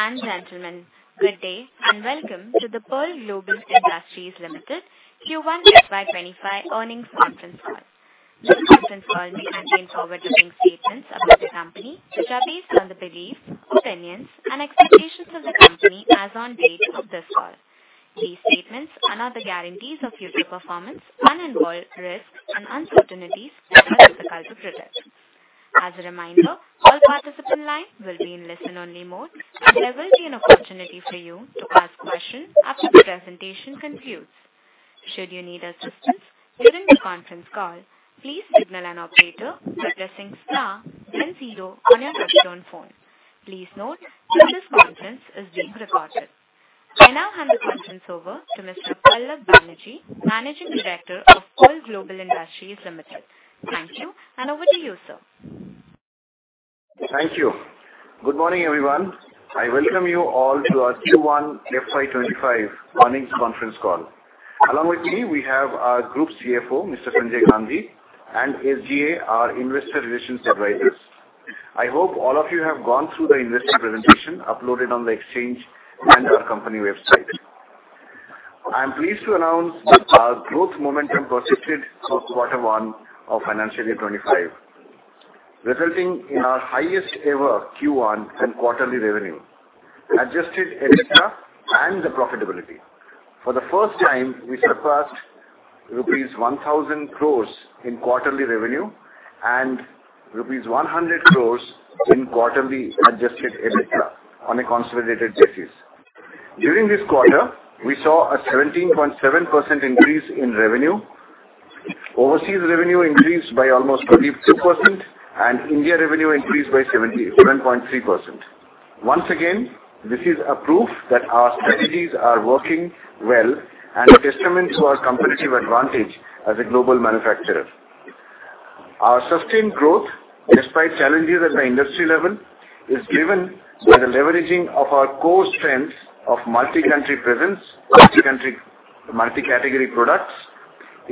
Ladies and gentlemen, good day and welcome to the Pearl Global Industries Limited Q1 FY 2025 Earnings Conference Call. This conference call may contain forward-looking statements about the company, which are based on the beliefs, opinions, and expectations of the company as of the date of this call. These statements are not the guarantees of future performance and involve risks and uncertainties that are difficult to predict. As a reminder, all participants in the line will be in listen-only mode, and there will be an opportunity for you to ask questions after the presentation concludes. Should you need assistance during the conference call, please signal an operator by pressing star and zero on your touch-tone phone. Please note that this conference is being recorded. I now hand the conference over to Pallab Banerjee, Managing Director of Pearl Global Industries Limited. Thank you, and over to you, sir. Thank you. Good morning, everyone. I welcome you all to our Q1 FY 2025 Earnings Conference Call. Along with me, we have our Group CFO, Mr. Sanjay Gandhi, and SGA, our Investor Relations Advisors. I hope all of you have gone through the investor presentation uploaded on the exchange and our company website. I'm pleased to announce that our growth momentum persisted through quarter one of financial year 2025, resulting in our highest-ever Q1 and quarterly revenue, adjusted EBITDA and profitability. For the first time, we surpassed rupees 1,000 crores in quarterly revenue and rupees 100 crores in quarterly adjusted EBITDA on a consolidated basis. During this quarter, we saw a 17.7% increase in revenue, overseas revenue increased by almost 22%, and India revenue increased by 7.3%. Once again, this is proof that our strategies are working well and a testament to our competitive advantage as a global manufacturer. Our sustained growth, despite challenges at the industry level, is driven by the leveraging of our core strengths of multi-country presence, multi-category products,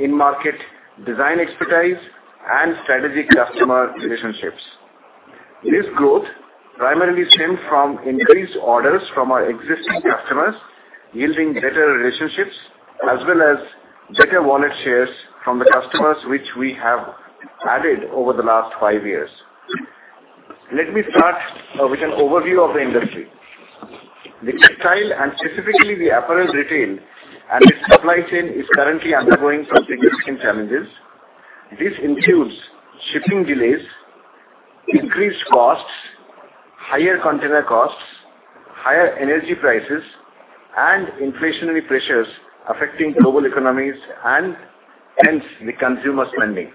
in-market design expertise, and strategic customer relationships. This growth primarily stems from increased orders from our existing customers, yielding better relationships as well as better wallet shares from the customers, which we have added over the last five years. Let me start with an overview of the industry. The textile and specifically the apparel retail and its supply chain is currently undergoing some significant challenges. This includes shipping delays, increased costs, higher container costs, higher energy prices, and inflationary pressures affecting global economies and hence the consumer spending.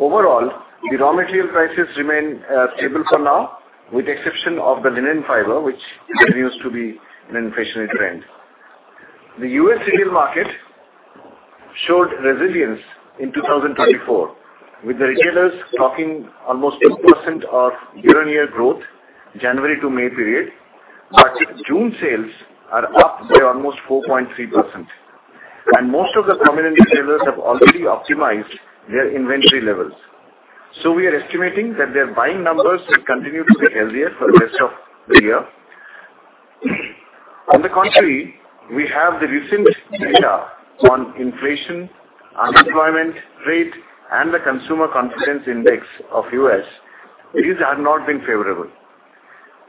Overall, the raw material prices remain stable for now, with the exception of the linen fiber, which continues to be an inflationary trend. The U.S. retail market showed resilience in 2024, with the retailers taking almost 2% of year-on-year growth January to May period, but June sales are up by almost 4.3%. And most of the prominent retailers have already optimized their inventory levels. So we are estimating that their buying numbers will continue to be healthier for the rest of the year. On the contrary, we have the recent data on inflation, unemployment rate, and the Consumer Confidence Index of the U.S. These have not been favorable.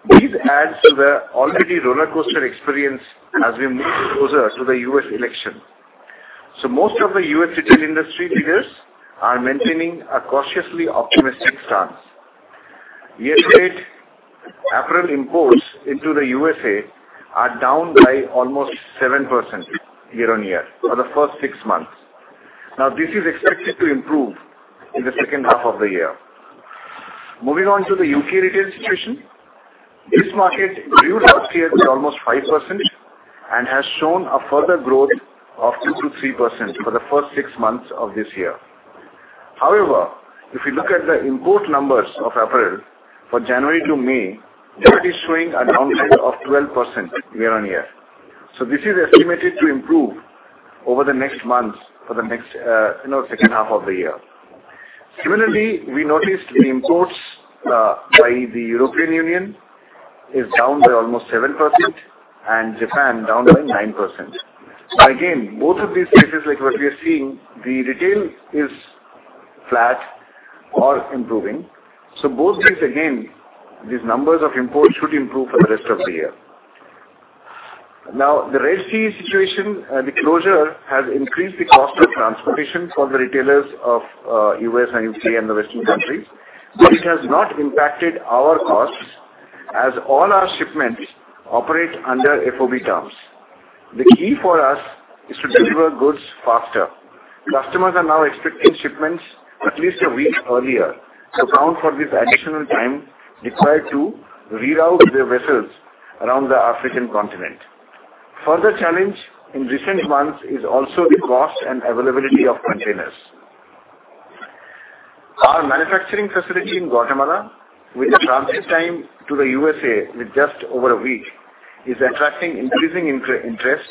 These add to the already rollercoaster experience as we move closer to the U.S. election. So most of the U.S. retail industry figures are maintaining a cautiously optimistic stance. Year-to-date, apparel imports into the U.S.A. are down by almost 7% year-on-year for the first six months. Now, this is expected to improve in the second half of the year. Moving on to the U.K. retail situation, this market grew last year by almost 5% and has shown a further growth of 2%-3% for the first six months of this year. However, if you look at the import numbers of apparel for January to May, that is showing a downside of 12% year-on-year. So this is estimated to improve over the next months for the next second half of the year. Similarly, we noticed the imports by the European Union are down by almost 7% and Japan is down by 9%. Now, again, both of these cases, like what we are seeing, the retail is flat or improving. So both these, again, these numbers of imports should improve for the rest of the year. Now, the Red Sea situation, the closure has increased the cost of transportation for the retailers of the U.S. and U.K. and the Western countries, but it has not impacted our costs as all our shipments operate under FOB terms. The key for us is to deliver goods faster. Customers are now expecting shipments at least a week earlier to account for this additional time required to reroute their vessels around the African continent. Further challenge in recent months is also the cost and availability of containers. Our manufacturing facility in Guatemala, with the transit time to the U.S.A. just over a week, is attracting increasing interest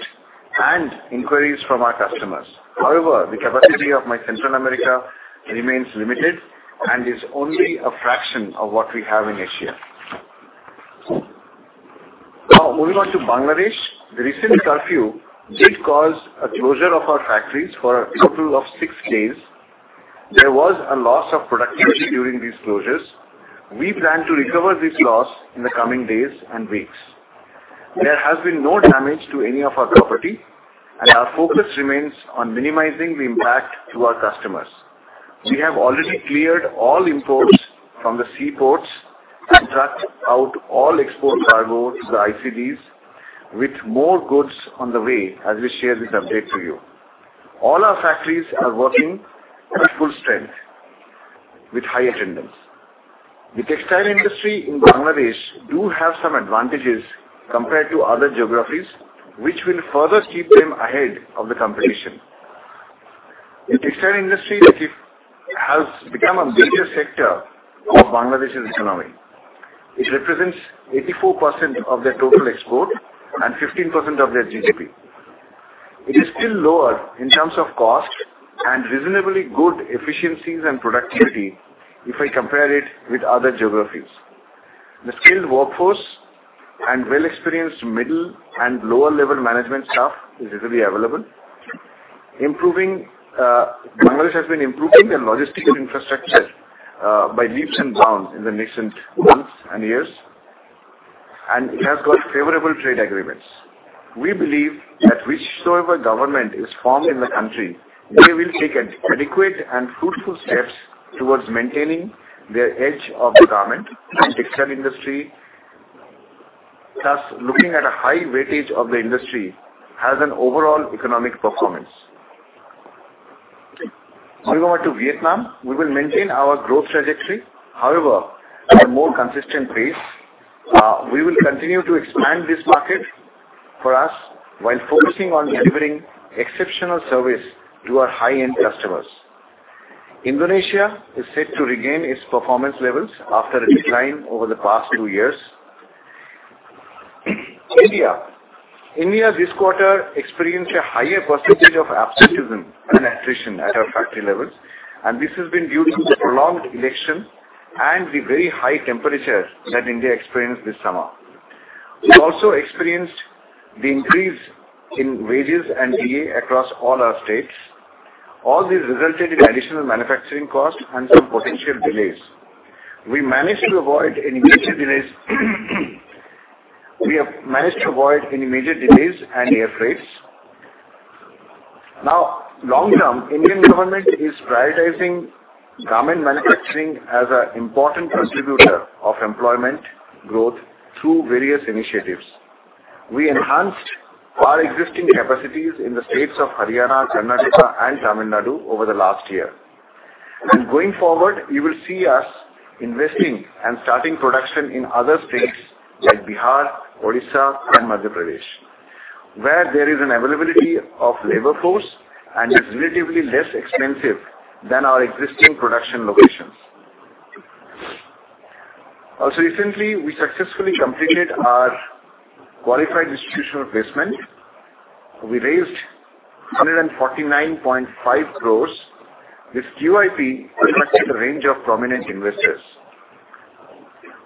and inquiries from our customers. However, the capacity of my Central America remains limited and is only a fraction of what we have in Asia. Now, moving on to Bangladesh, the recent curfew did cause a closure of our factories for a total of six days. There was a loss of productivity during these closures. We plan to recover this loss in the coming days and weeks. There has been no damage to any of our property, and our focus remains on minimizing the impact to our customers. We have already cleared all imports from the seaports and dropped out all export cargo to the ICDs with more goods on the way as we share this update to you. All our factories are working at full strength with high attendance. The textile industry in Bangladesh does have some advantages compared to other geographies, which will further keep them ahead of the competition. The textile industry has become a major sector of Bangladesh's economy. It represents 84% of their total export and 15% of their GDP. It is still lower in terms of cost and reasonably good efficiencies and productivity if I compare it with other geographies. The skilled workforce and well-experienced middle and lower-level management staff are easily available. Bangladesh has been improving their logistics infrastructure by leaps and bounds in the recent months and years, and it has got favorable trade agreements. We believe that whichever government is formed in the country, they will take adequate and fruitful steps towards maintaining their edge of the garment and textile industry, thus looking at a high weightage of the industry as an overall economic performance. Moving on to Vietnam, we will maintain our growth trajectory. However, at a more consistent pace, we will continue to expand this market for us while focusing on delivering exceptional service to our high-end customers. Indonesia is set to regain its performance levels after a decline over the past two years. India this quarter experienced a higher percentage of absenteeism and attrition at our factory levels, and this has been due to the prolonged election and the very high temperature that India experienced this summer. We also experienced the increase in wages and pay across all our states. All this resulted in additional manufacturing costs and some potential delays. We managed to avoid any major delays and airfreights. Now, long-term, the Indian government is prioritizing garment manufacturing as an important contributor of employment growth through various initiatives. We enhanced our existing capacities in the states of Haryana, Karnataka, and Tamil Nadu over the last year. Going forward, you will see us investing and starting production in other states like Bihar, Odisha, and Madhya Pradesh, where there is an availability of labor force and is relatively less expensive than our existing production locations. Also, recently, we successfully completed our qualified institutional placement. We raised 149.5 crores with QIP amongst a range of prominent investors.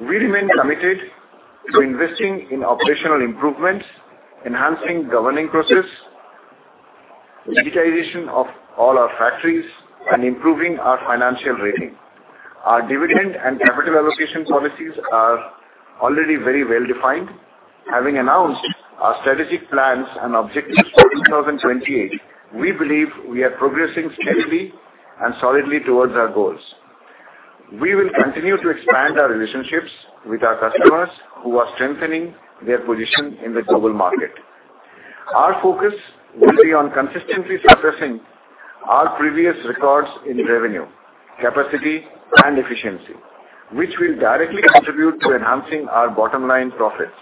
We remain committed to investing in operational improvements, enhancing governing process, digitization of all our factories, and improving our financial rating. Our dividend and capital allocation policies are already very well-defined. Having announced our strategic plans and objectives for 2028, we believe we are progressing steadily and solidly towards our goals. We will continue to expand our relationships with our customers who are strengthening their position in the global market. Our focus will be on consistently surpassing our previous records in revenue, capacity, and efficiency, which will directly contribute to enhancing our bottom-line profits.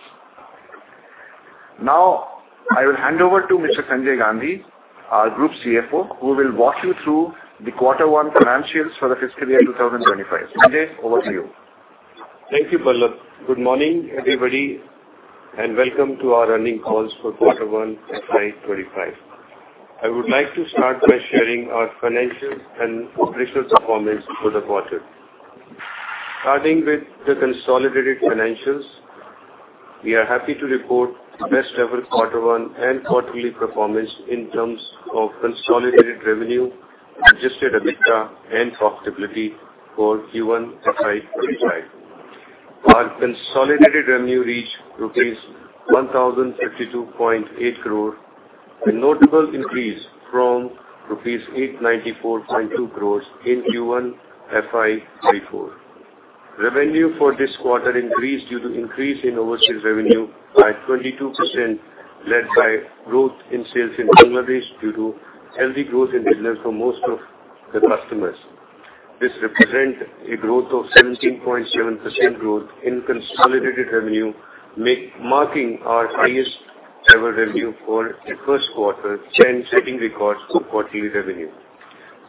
Now, I will hand over to Mr. Sanjay Gandhi, our Group CFO, who will walk you through the quarter one financials for the fiscal year 2025. Sanjay, over to you. Thank you, Pallab. Good morning, everybody, and welcome to our Earnings Calls for quarter one FY 2025. I would like to start by sharing our financials and operational performance for the quarter. Starting with the consolidated financials, we are happy to report the best-ever quarter one and quarterly performance in terms of consolidated revenue, adjusted EBITDA, and profitability for Q1 FY 2025. Our consolidated revenue reached rupees 1,052.8 crore, a notable increase from rupees 894.2 crores in Q1 FY 2024. Revenue for this quarter increased due to an increase in overseas revenue by 22%, led by growth in sales in Bangladesh due to healthy growth in business for most of the customers. This represents a growth of 17.7% in consolidated revenue, marking our highest-ever revenue for the first quarter and setting records for quarterly revenue.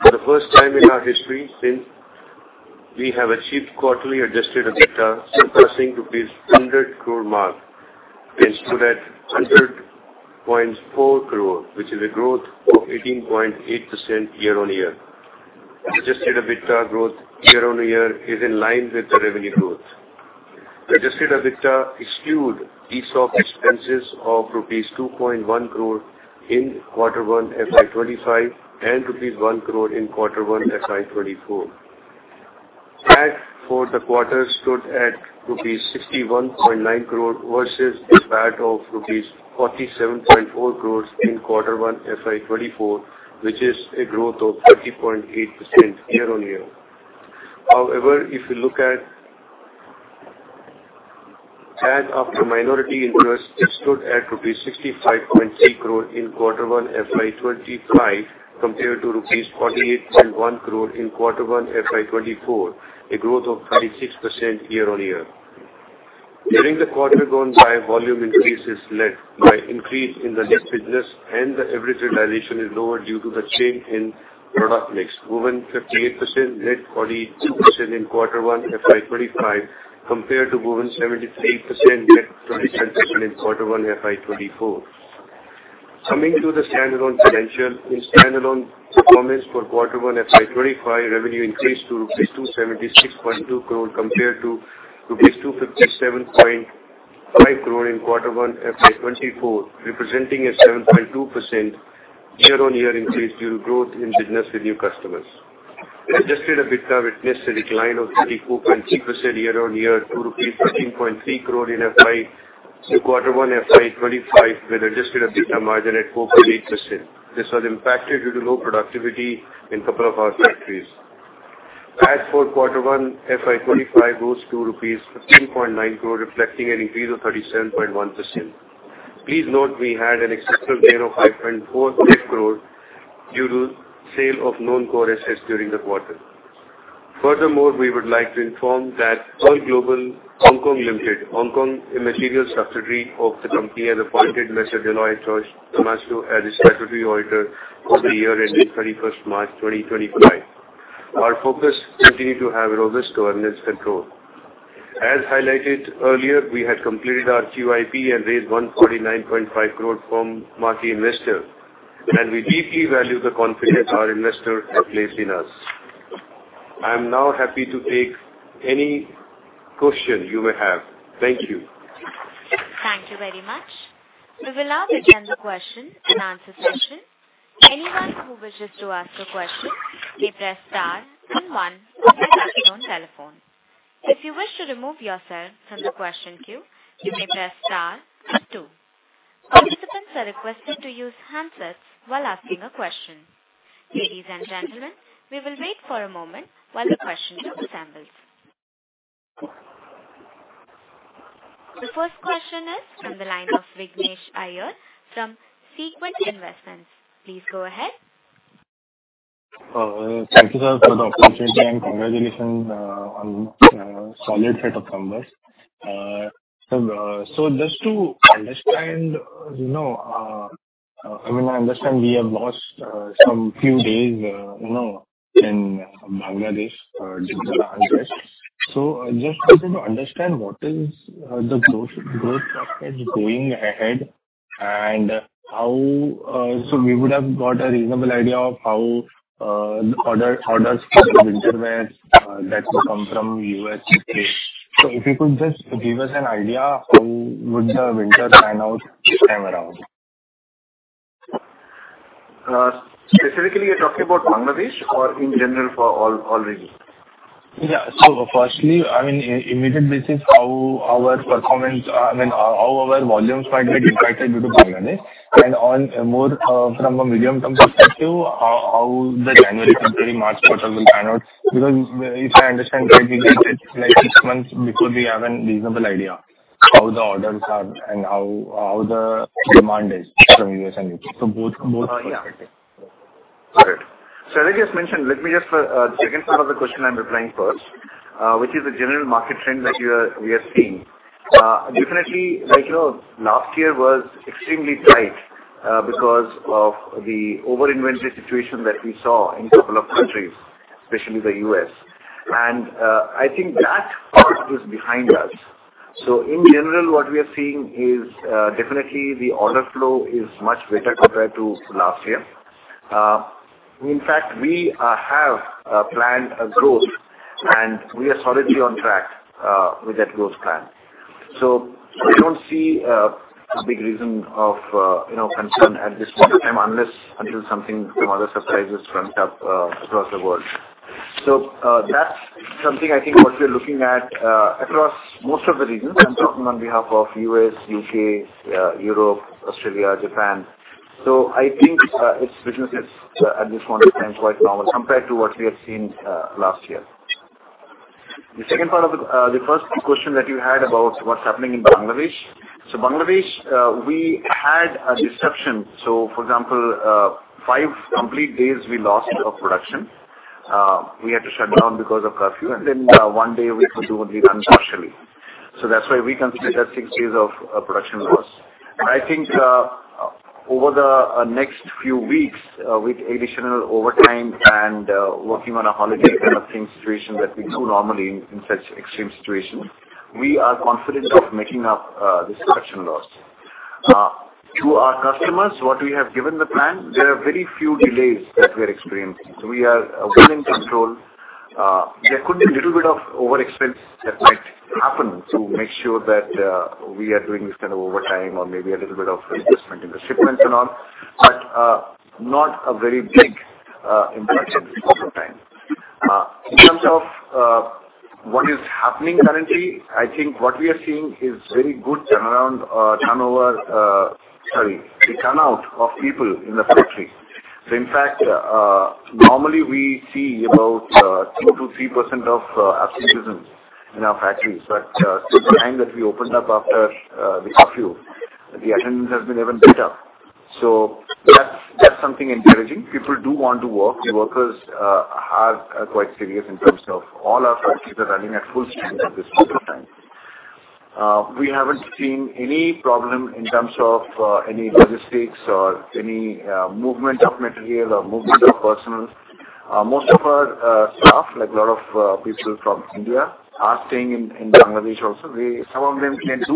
For the first time in our history since we have achieved quarterly adjusted EBITDA surpassing the 100 crore mark, we achieved 100.4 crore, which is a growth of 18.8% year-on-year. Adjusted EBITDA growth year-on-year is in line with the revenue growth. Adjusted EBITDA excluded these one-off expenses of rupees 2.1 crore in quarter one FY 2025 and rupees 1 crore in quarter one FY 2024. PAT for the quarter stood at rupees 61.9 crore versus PAT of rupees 47.4 crore in quarter one FY 2024, which is a growth of 30.8% year-on-year. However, if you look at PAT including the minority interest, it stood at rupees 65.3 crore in quarter one FY 2025 compared to rupees 48.1 crore in quarter one FY 2024, a growth of 36% year-on-year. During the quarter gone by, volume increases led by an increase in the knit business, and the average realization is lower due to the change in product mix, moving knit 58% woven 42% in quarter one FY 2025 compared to moving knit 73% woven 27% in quarter one FY 2024. Coming to the standalone financials, in standalone performance for quarter one FY 2025, revenue increased to rupees 276.2 crore compared to rupees 257.5 crore in quarter one FY 2024, representing a 7.2% year-on-year increase due to growth in business with new customers. Adjusted EBITDA witnessed a decline of 34.3% year-on-year to INR 13.3 crore in quarter one FY 2025, with adjusted EBITDA margin at 4.8%. This was impacted due to low productivity in a couple of our factories. PAT for quarter one FY 2025 goes to rupees 15.9 crore, reflecting an increase of 37.1%. Please note we had an exceptional gain of 5.48 crore due to sale of non-core assets during the quarter. Furthermore, we would like to inform that Pearl Global (HK) Limited, Hong Kong-based subsidiary of the company, has appointed Deloitte Touche Tohmatsu as its Statutory Auditor for the year ending 31st March 2025. Our focus continues to have robust governance control. As highlighted earlier, we had completed our QIP and raised 149.5 crore from marquee investors, and we deeply value the confidence our investors have placed in us. I am now happy to take any question you may have. Thank you. Thank you very much. We will now begin the question and answer session. Anyone who wishes to ask a question may press star and one and answer on telephone. If you wish to remove yourself from the question queue, you may press star and two. Participants are requested to use handsets while asking a question. Ladies and gentlemen, we will wait for a moment while the question queue assembles. The first question is from the line of Vignesh Iyer from Sequent Investments. Please go ahead. Thank you, sir, for the opportunity and congratulations on a solid set of numbers. So just to understand, I mean, I understand we have lost some few days in Bangladesh due to the unrest. So just trying to understand what is the growth going ahead and how so we would have got a reasonable idea of how the orders for the winter wear that will come from the U.S. and the States. So if you could just give us an idea of how would the winter pan out this time around? Specifically, you're talking about Bangladesh or in general for all regions? Yeah. So firstly, I mean, immediate basis, how our performance, I mean, how our volumes might be impacted due to Bangladesh, and on more from a medium-term perspective, how the January, February, March quarters will pan out? Because if I understand correctly, it's like six months before we have a reasonable idea of how the orders are and how the demand is from the U.S. and the U.K., so both are expected. Got it. So as I just mentioned, let me just for the second part of the question, I'm replying first, which is the general market trend that we are seeing. Definitely, last year was extremely tight because of the over-inventory situation that we saw in a couple of countries, especially the U.S., and I think that part is behind us, so in general, what we are seeing is definitely the order flow is much better compared to last year. In fact, we have planned a growth, and we are solidly on track with that growth plan, so I don't see a big reason of concern at this point in time unless until something from other surprises runs up across the world, so that's something I think what we're looking at across most of the regions. I'm talking on behalf of the U.S., the U.K., Europe, Australia, Japan. I think its business is at this point in time quite normal compared to what we have seen last year. The second part of the first question that you had about what's happening in Bangladesh. So Bangladesh, we had a disruption. So for example, five complete days we lost of production. We had to shut down because of curfew, and then one day we could do only run partially. So that's why we considered that six days of production loss. I think over the next few weeks, with additional overtime and working on a holiday kind of thing situation that we do normally in such extreme situations, we are confident of making up this production loss. To our customers, what we have given the plan, there are very few delays that we are experiencing. So we are well in control. There could be a little bit of over expense that might happen to make sure that we are doing this kind of overtime or maybe a little bit of investment in the shipments and all, but not a very big impact on overtime. In terms of what is happening currently, I think what we are seeing is very good turnover, sorry, the turnout of people in the factory. So in fact, normally we see about 2%-3% of absenteeism in our factories. But since the time that we opened up after the curfew, the attendance has been even better. So that's something encouraging. People do want to work. The workers are quite serious in terms of all our factories are running at full strength at this point in time. We haven't seen any problem in terms of any logistics or any movement of material or movement of personnel. Most of our staff, like a lot of people from India, are staying in Bangladesh also. Some of them did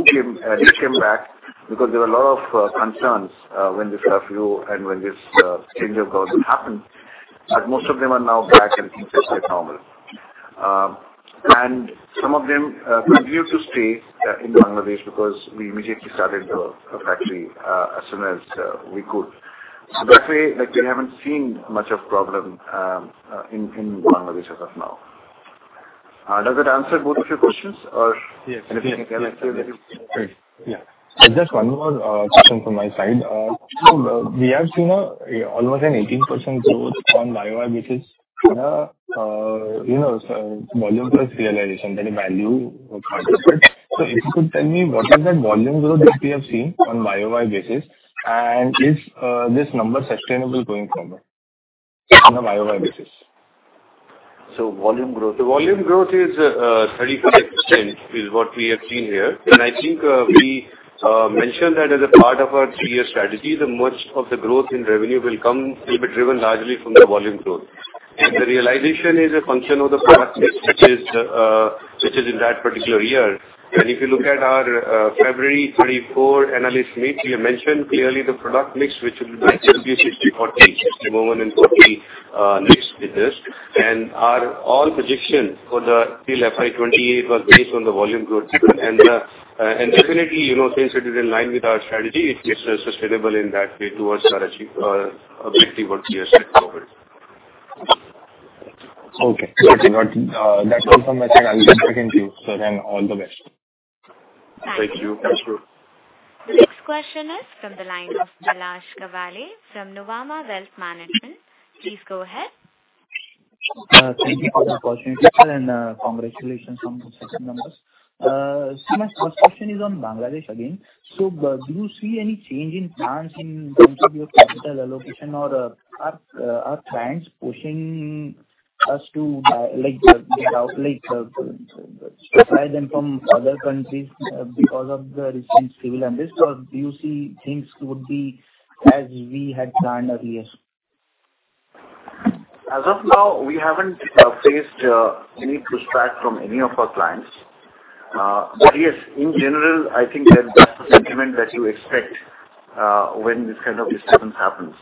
come back because there were a lot of concerns when this curfew and when this change of government happened, but most of them are now back and things have been normal, and some of them continue to stay in Bangladesh because we immediately started the factory as soon as we could, so that way, we haven't seen much of a problem in Bangladesh as of now. Does that answer both of your questions or anything else? Yes. Yeah. Just one more question from my side, so we have seen almost an 18% growth on YoY basis on a volume plus realization, that is value part of it. If you could tell me what is that volume growth that we have seen on YoY basis and if this number is sustainable going forward on a YoY basis? Volume growth. The volume growth is 35% is what we have seen here. I think we mentioned that as a part of our three-year strategy, most of the growth in revenue will come will be driven largely from the volume growth. The realization is a function of the product mix which is in that particular year. If you look at our February 2024 analyst meet, we have mentioned clearly the product mix which will be 60/40, moving in 40 next business. Our overall prediction for FY 2028 still was based on the volume growth. Definitely, since it is in line with our strategy, it is sustainable in that way towards our objective what we have set forward. Okay. That's all from my side. I'll be speaking to you, sir, and all the best. Thank you. Thank you. Next question is from the line of Palash Kawale from Nuvama Wealth Management. Please go ahead. Thank you for the opportunity, sir, and congratulations on the second number. So my first question is on Bangladesh again. So do you see any change in plans in terms of your capital allocation or are plans pushing us to get out, like supply them from other countries because of the recent civil unrest? Or do you see things would be as we had planned earlier? As of now, we haven't faced any pushback from any of our clients. But yes, in general, I think that's the sentiment that you expect when this kind of incident happens.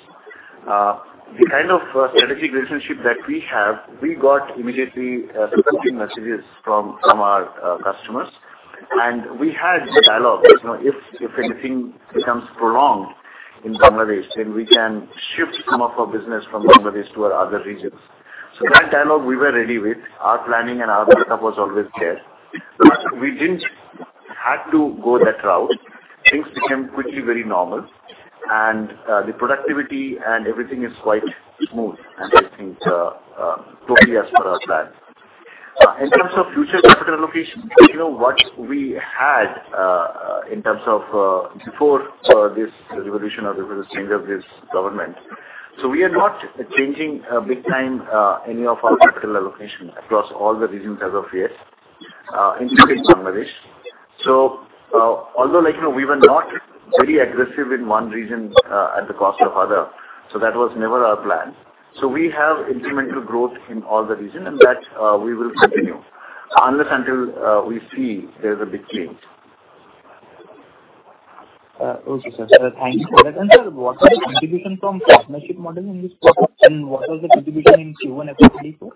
The kind of strategic relationship that we have, we got immediately supporting messages from our customers. And we had dialogue. If anything becomes prolonged in Bangladesh, then we can shift some of our business from Bangladesh to our other regions. So that dialogue, we were ready with. Our planning and our backup was always there. We didn't have to go that route. Things became quickly very normal, and the productivity and everything is quite smooth, and I think totally as per our plan. In terms of future capital allocation, what we had in terms of before this revolution or before the change of this government, so we are not changing big time any of our capital allocation across all the regions as of yet, including Bangladesh. So although we were not very aggressive in one region at the cost of other, so that was never our plan. So we have incremental growth in all the regions, and that we will continue unless until we see there's a big change. Okay, sir. So thanks. And sir, what was the contribution from partnership model in this quarter? And what was the contribution in Q1 FY 2024?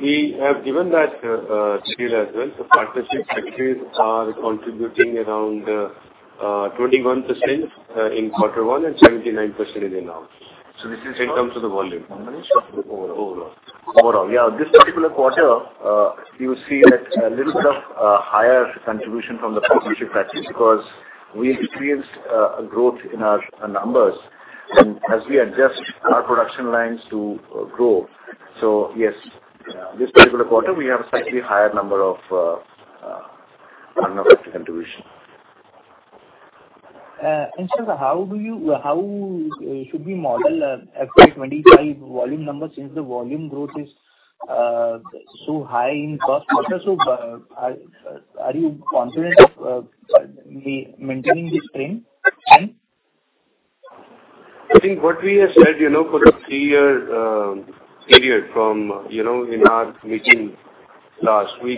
We have given that detail as well. The partnership factories are contributing around 21% in quarter one and 79% now. This is in terms of the volume. Bangladesh overall? Overall, yeah. This particular quarter, you see a little bit of higher contribution from the partnership factories because we experienced a growth in our numbers, and as we adjust our production lines to grow. So yes, this particular quarter, we have a slightly higher number of partner factory contribution. And sir, how should we model FY 2025 volume numbers since the volume growth is so high in the first quarter? So are you confident of maintaining this trend? I think what we have said for the three-year period from in our meeting last, we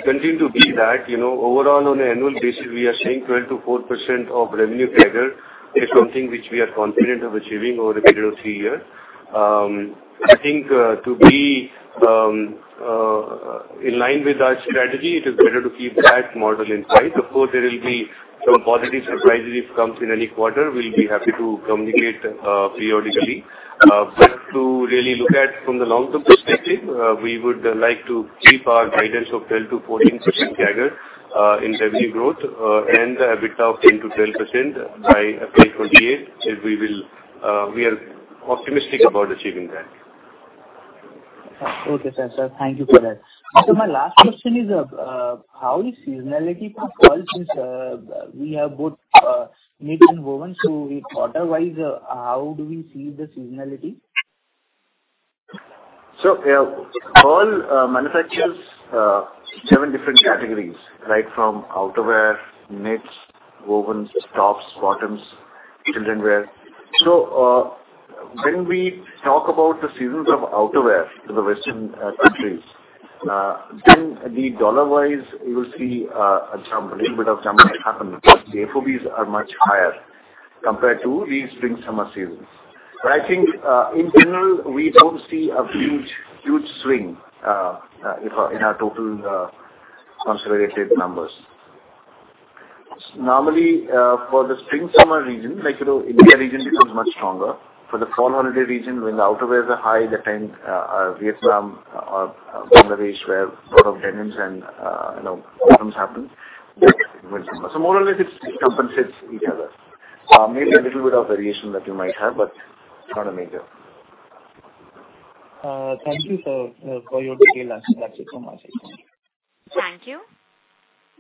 continue to be that overall on an annual basis, we are seeing 12%-14% of revenue figure is something which we are confident of achieving over a period of three years. I think to be in line with our strategy, it is better to keep that model in sight. Of course, there will be some positive surprises if it comes in any quarter. We'll be happy to communicate periodically, but to really look at from the long-term perspective, we would like to keep our guidance of 12%-14% figure in revenue growth and a bit of 10%-12% by FY 2028. We are optimistic about achieving that. Okay, sir. Thank you for that. So my last question is, how is seasonality for apparel since we have both knits and wovens? So quarter-wise, how do we see the seasonality? Apparel manufacturers have different categories, right, from outerwear, knits, wovens, tops, bottoms, children wear. When we talk about the seasons of outerwear in the Western countries, then the dollar-wise, you will see a little bit of jump that happens. The FOBs are much higher compared to the spring-summer seasons. But I think in general, we don't see a huge swing in our total consolidated numbers. Normally, for the spring-summer region, like India region becomes much stronger. For the fall holiday region, when the outerwear is high, that time Vietnam or Bangladesh, where a lot of denims and bottoms happen, that's winter. So more or less, it compensates each other. Maybe a little bit of variation that you might have, but not a major. Thank you for your detail. That's it from my side. Thank you.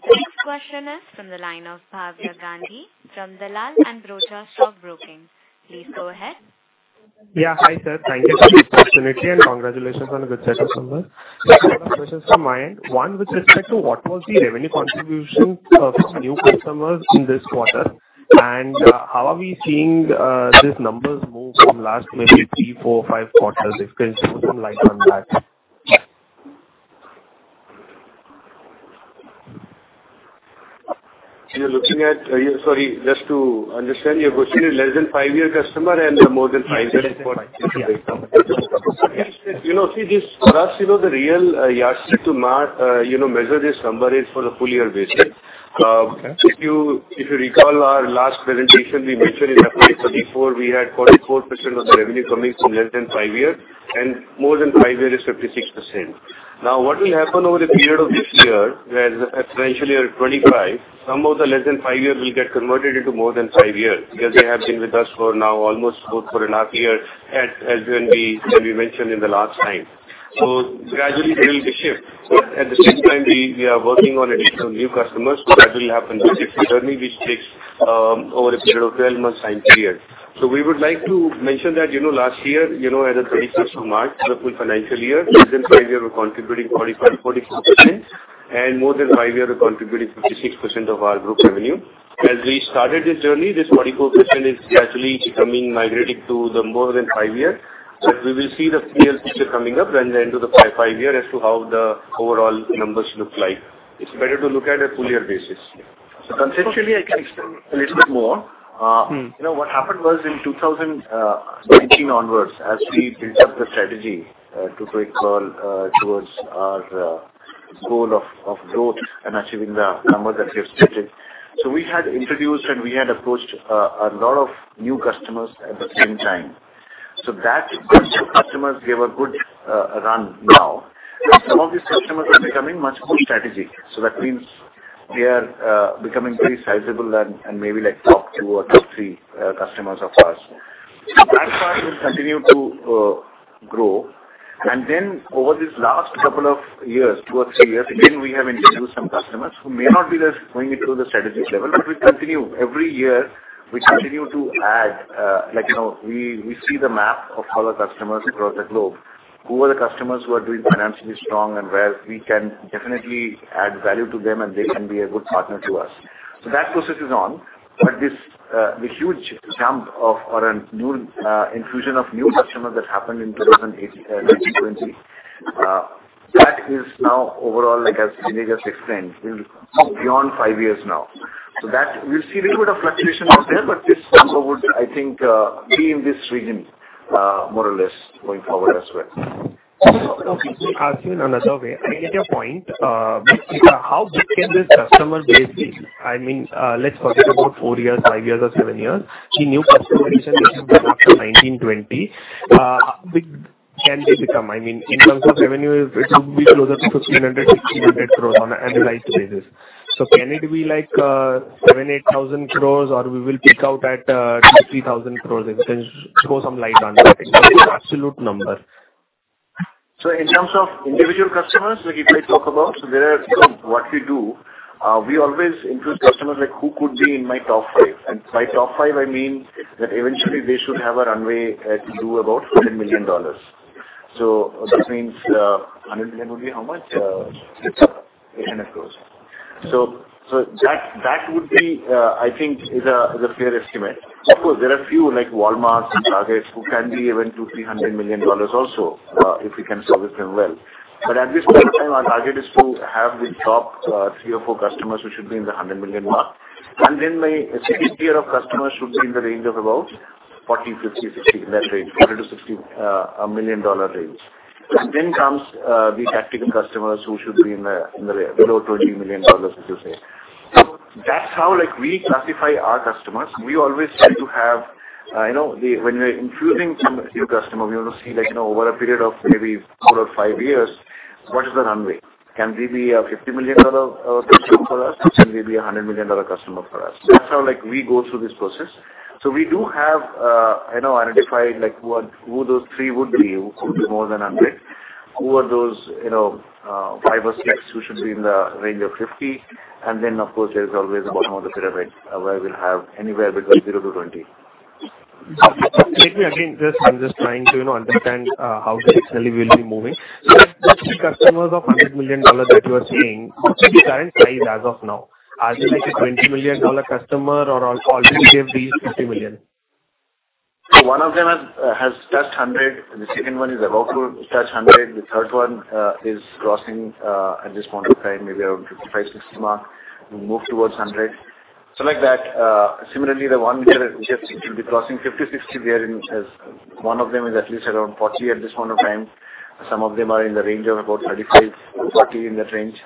The next question is from the line of Bhavya Gandhi. From the Dalal & Broacha Stock Broking, please go ahead. Yeah. Hi, sir. Thank you for the opportunity and congratulations on a good set of numbers. Just a couple of questions from my end. One, with respect to what was the revenue contribution from new customers in this quarter? And how are we seeing these numbers move from last maybe three, four, five quarters? If you can throw some light on that. We are looking at, sorry, just to understand your question, less than five-year customer and more than five-year customer. See, for us, the real yardstick to measure this number is for the full-year basis. If you recall our last presentation, we mentioned in FY 2024, we had 44% of the revenue coming from less than five years, and more than five years is 56%. Now, what will happen over the period of this year where it's eventually 2025, some of the less than five years will get converted into more than five years because they have been with us for now almost for another year as when we mentioned in the last time. So gradually, there will be a shift. But at the same time, we are working on additional new customers. That will happen within the journey, which takes over a period of 12 months time period. We would like to mention that last year, as of 31st of March, the full financial year, less than five years were contributing 44%, and more than five years were contributing 56% of our group revenue. As we started this journey, this 44% is gradually becoming migrating to the more than five-year. But we will see the real picture coming up and then to the five-year as to how the overall numbers look like. It's better to look at a full-year basis. So conceptually, I can explain a little bit more. What happened was in 2019 onwards, as we built up the strategy to take towards our goal of growth and achieving the number that we have stated, so we had introduced and we had approached a lot of new customers at the same time. So that group of customers gave a good run now. Some of these customers are becoming much more strategic. That means they are becoming pretty sizable and maybe like top two or top three customers of ours. That part will continue to grow. Then over this last couple of years, two or three years, again, we have introduced some customers who may not be going into the strategic level, but we continue every year. We continue to add, like we see the map of our customers across the globe, who are the customers who are doing financially strong and where we can definitely add value to them and they can be a good partner to us. That process is on. The huge jump or infusion of new customers that happened in 2019, 2020, that is now overall, like Sanjay Just explained, beyond five years now. We'll see a little bit of fluctuation out there, but this number would, I think, be in this region more or less going forward as well. Okay. As in another way, I get your point. How big can this customer base be? I mean, let's forget about four years, five years, or seven years. The new customer is going to be after 2020. How big can they become? I mean, in terms of revenue, it would be closer to 1,500 crore-1,600 crore on an annualized basis. So can it be like 7,000 crore-8,000 crore, or we will peak out at 2,000 crore-3,000 crore if we can throw some light on that? It's an absolute number. In terms of individual customers, if I talk about what we do, we always introduce customers like who could be in my top five. And by top five, I mean that eventually they should have a runway to do about $100 million. So that means $100 million would be how much? 800 crores. So that would be, I think, is a fair estimate. Of course, there are a few like Walmart and Target who can be even $200 million-$300 million also if we can service them well. But at this point in time, our target is to have the top three or four customers who should be in the $100 million mark. And then my second tier of customers should be in the range of about 40, 50, 60, in that range, $40 million-$60 million range. Then comes the tactical customers who should be in the low $20 million, as you say. So that's how we classify our customers. We always try to have when we're introducing new customers, we want to see over a period of maybe four or five years, what is the runway? Can they be a $50 million customer for us? Can they be a $100 million customer for us? That's how we go through this process. So we do have identified who those three would be, who would be more than $100 million, who are those five or six who should be in the range of $50 million. And then, of course, there is always the bottom of the pyramid where we'll have anywhere between 0 to 20. Excuse me. I mean, I'm just trying to understand how this really will be moving. So the customers of $100 million that you are saying, what's the current size as of now? Are they like a $20 million customer or already they have reached $50 million? So one of them has touched $100 million. The second one is about to touch $100 million. The third one is crossing at this point of time, maybe around $55 million-$60 million mark. We'll move towards $100 million. So like that. Similarly, the one we just mentioned will be crossing $50 million-$60 million. One of them is at least around $40 million at this point of time. Some of them are in the range of about $35 million-$40 million in that range.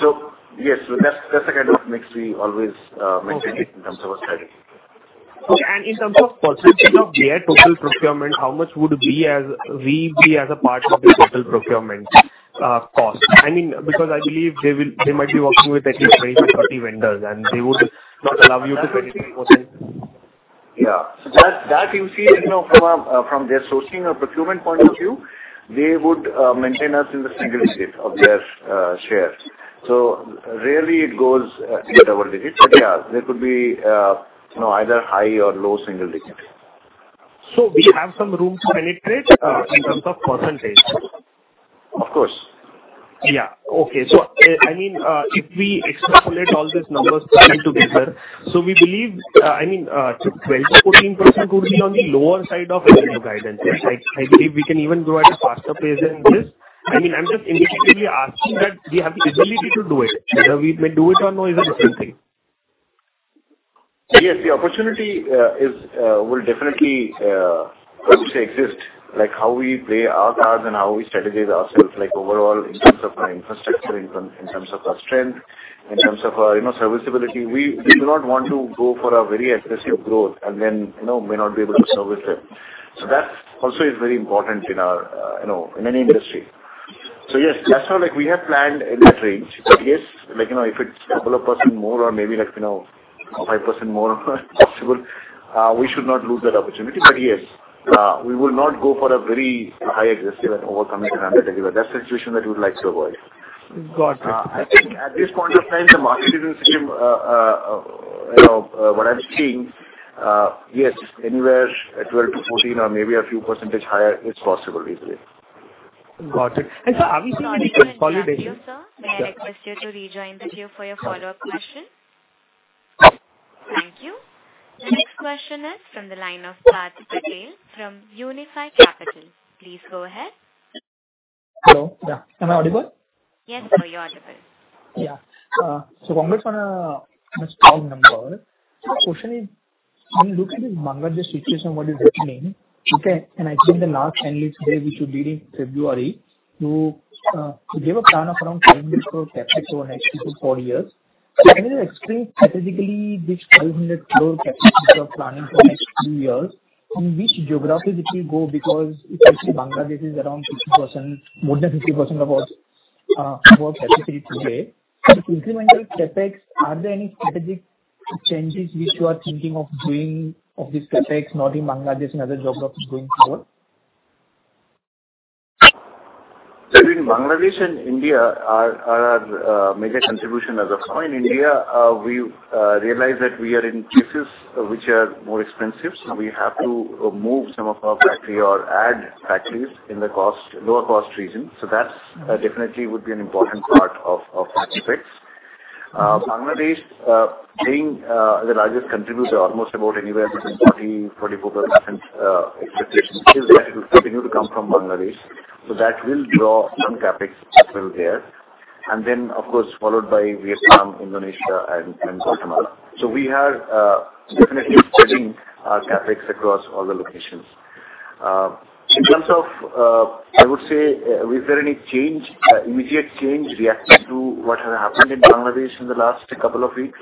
So yes, that's the kind of mix we always maintain in terms of our strategy. In terms of possibility of their total procurement, how much would we be as a part of the total procurement cost? I mean, because I believe they might be working with at least 20-30 vendors, and they would not allow you to credit 20%. Yeah. So that you see from their sourcing or procurement point of view, they would maintain us in the single-digit of their share. So rarely it goes into double-digit. But yeah, there could be either high- or low-single-digit. So we have some room to penetrate in terms of percentage? Of course. Yeah. Okay. So I mean, if we extrapolate all these numbers together, so we believe, I mean, 12%-14% would be on the lower side of the guidance. I believe we can even go at a faster pace than this. I mean, I'm just implicitly asking that we have the ability to do it. Whether we may do it or not is a different thing. Yes. The opportunity will definitely, I would say, exist. Like how we play our cards and how we strategize ourselves, like overall in terms of our infrastructure, in terms of our strength, in terms of our serviceability. We do not want to go for a very aggressive growth and then may not be able to service them. So that also is very important in any industry. So yes, that's how we have planned in that range. But yes, if it's a couple of percent more or maybe 5% more possible, we should not lose that opportunity. But yes, we will not go for a very high aggressive and overcommitting to 100 anyway. That's the situation that we would like to avoid. Got it. I think at this point of time, the margin system, what I'm seeing, yes, anywhere at 12%-14% or maybe a few percentage higher is possible, easily. Got it. And sir, are we seeing any consolidation? Thank you, sir. May I request you to rejoin the queue for your follow-up question? Thank you. The next question is from the line of Parth Patel from Unifi Capital. Please go ahead. Hello. Yeah. Am I audible? Yes, sir. You're audible. Yeah. So congrats on a strong number. So the question is, when you look at this Bangladesh situation, what do you reckon? And I think the last 10 years today, we should be in February to give a plan of around 500 crore CapEx for the next three to four years. So can you explain strategically which INR 500 crore CapEx we are planning for the next few years? In which geographies it will go? Because it's actually Bangladesh is around 50%, more than 50% of our capacity today. So incremental CapEx, are there any strategic changes which you are thinking of doing of this CapEx not in Bangladesh, in other geographies going forward? So in Bangladesh and India are our major contribution as of now. In India, we realize that we are in places which are more expensive. So we have to move some of our factory or add factories in the lower-cost region. So that definitely would be an important part of CapEx. Bangladesh, being the largest contributor, almost about anywhere between 40%-44% expectation is that it will continue to come from Bangladesh. So that will draw some CapEx as well there. And then, of course, followed by Vietnam, Indonesia, and Guatemala. So we are definitely spreading our CapEx across all the locations. In terms of, I would say, is there any change, immediate change reacting to what has happened in Bangladesh in the last couple of weeks?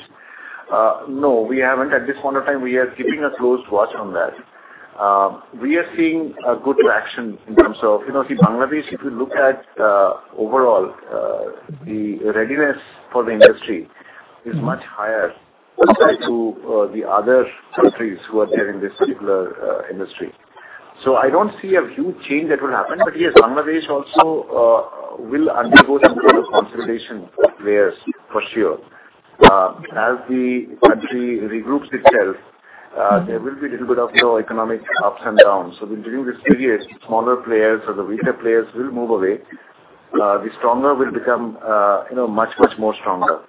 No. We haven't. At this point of time, we are keeping a close watch on that. We are seeing a good reaction in terms of, see, Bangladesh, if you look at overall, the readiness for the industry is much higher compared to the other countries who are there in this particular industry. So I don't see a huge change that will happen. But yes, Bangladesh also will undergo some sort of consolidation of players for sure. As the country regroups itself, there will be a little bit of economic ups and downs. So during this period, smaller players or the weaker players will move away. The stronger will become much, much more stronger.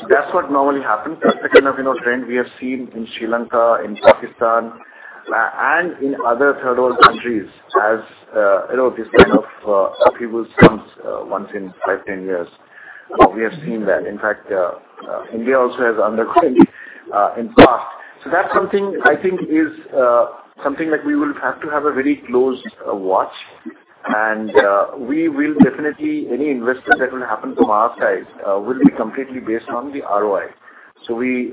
So that's what normally happens. That's the kind of trend we have seen in Sri Lanka, in Pakistan, and in other third-world countries as this kind of upheaval comes once in five, 10 years. We have seen that. In fact, India also has undergone in the past. That's something I think is something that we will have to have a very close watch. We will definitely, any investment that will happen from our side will be completely based on the ROI. We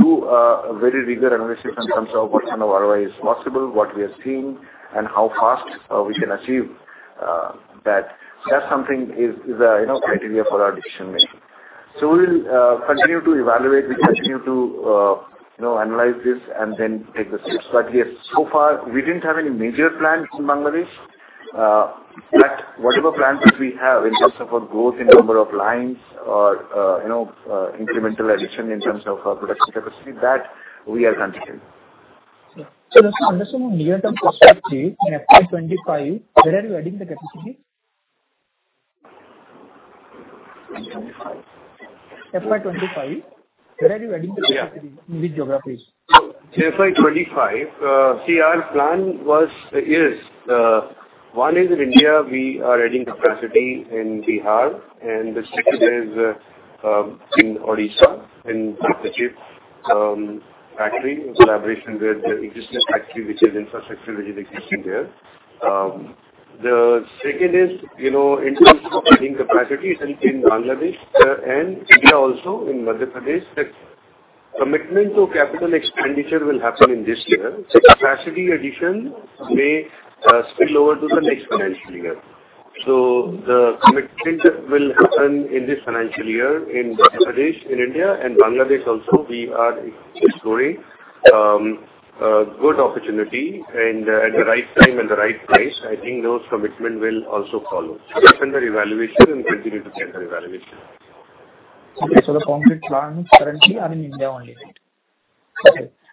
do a very rigorous analysis in terms of what kind of ROI is possible, what we are seeing, and how fast we can achieve that. That's something that is a criteria for our decision-making. We'll continue to evaluate. We continue to analyze this and then take the steps. Yes, so far, we didn't have any major plans in Bangladesh. Whatever plans that we have in terms of our growth in number of lines or incremental addition in terms of our production capacity, that we are continuing. So from the near-term perspective, in FY 2025, where are you adding the capacity? FY 2025, where are you adding the capacity in which geographies? So FY 2025, see, our plan is one is in India. We are adding capacity in Bihar, and the second is in Odisha in the partnership factory in collaboration with the existing factory, which is infrastructure which is existing there. The second is increasing capacity in Bangladesh and India also in Madhya Pradesh. The commitment to capital expenditure will happen in this year. The capacity addition may spill over to the next financial year. So the commitment will happen in this financial year in Madhya Pradesh, in India, and Bangladesh also. We are exploring a good opportunity at the right time and the right place. I think those commitments will also follow. So we'll send the evaluation and continue to get the evaluation. So the concrete plans currently are in India only.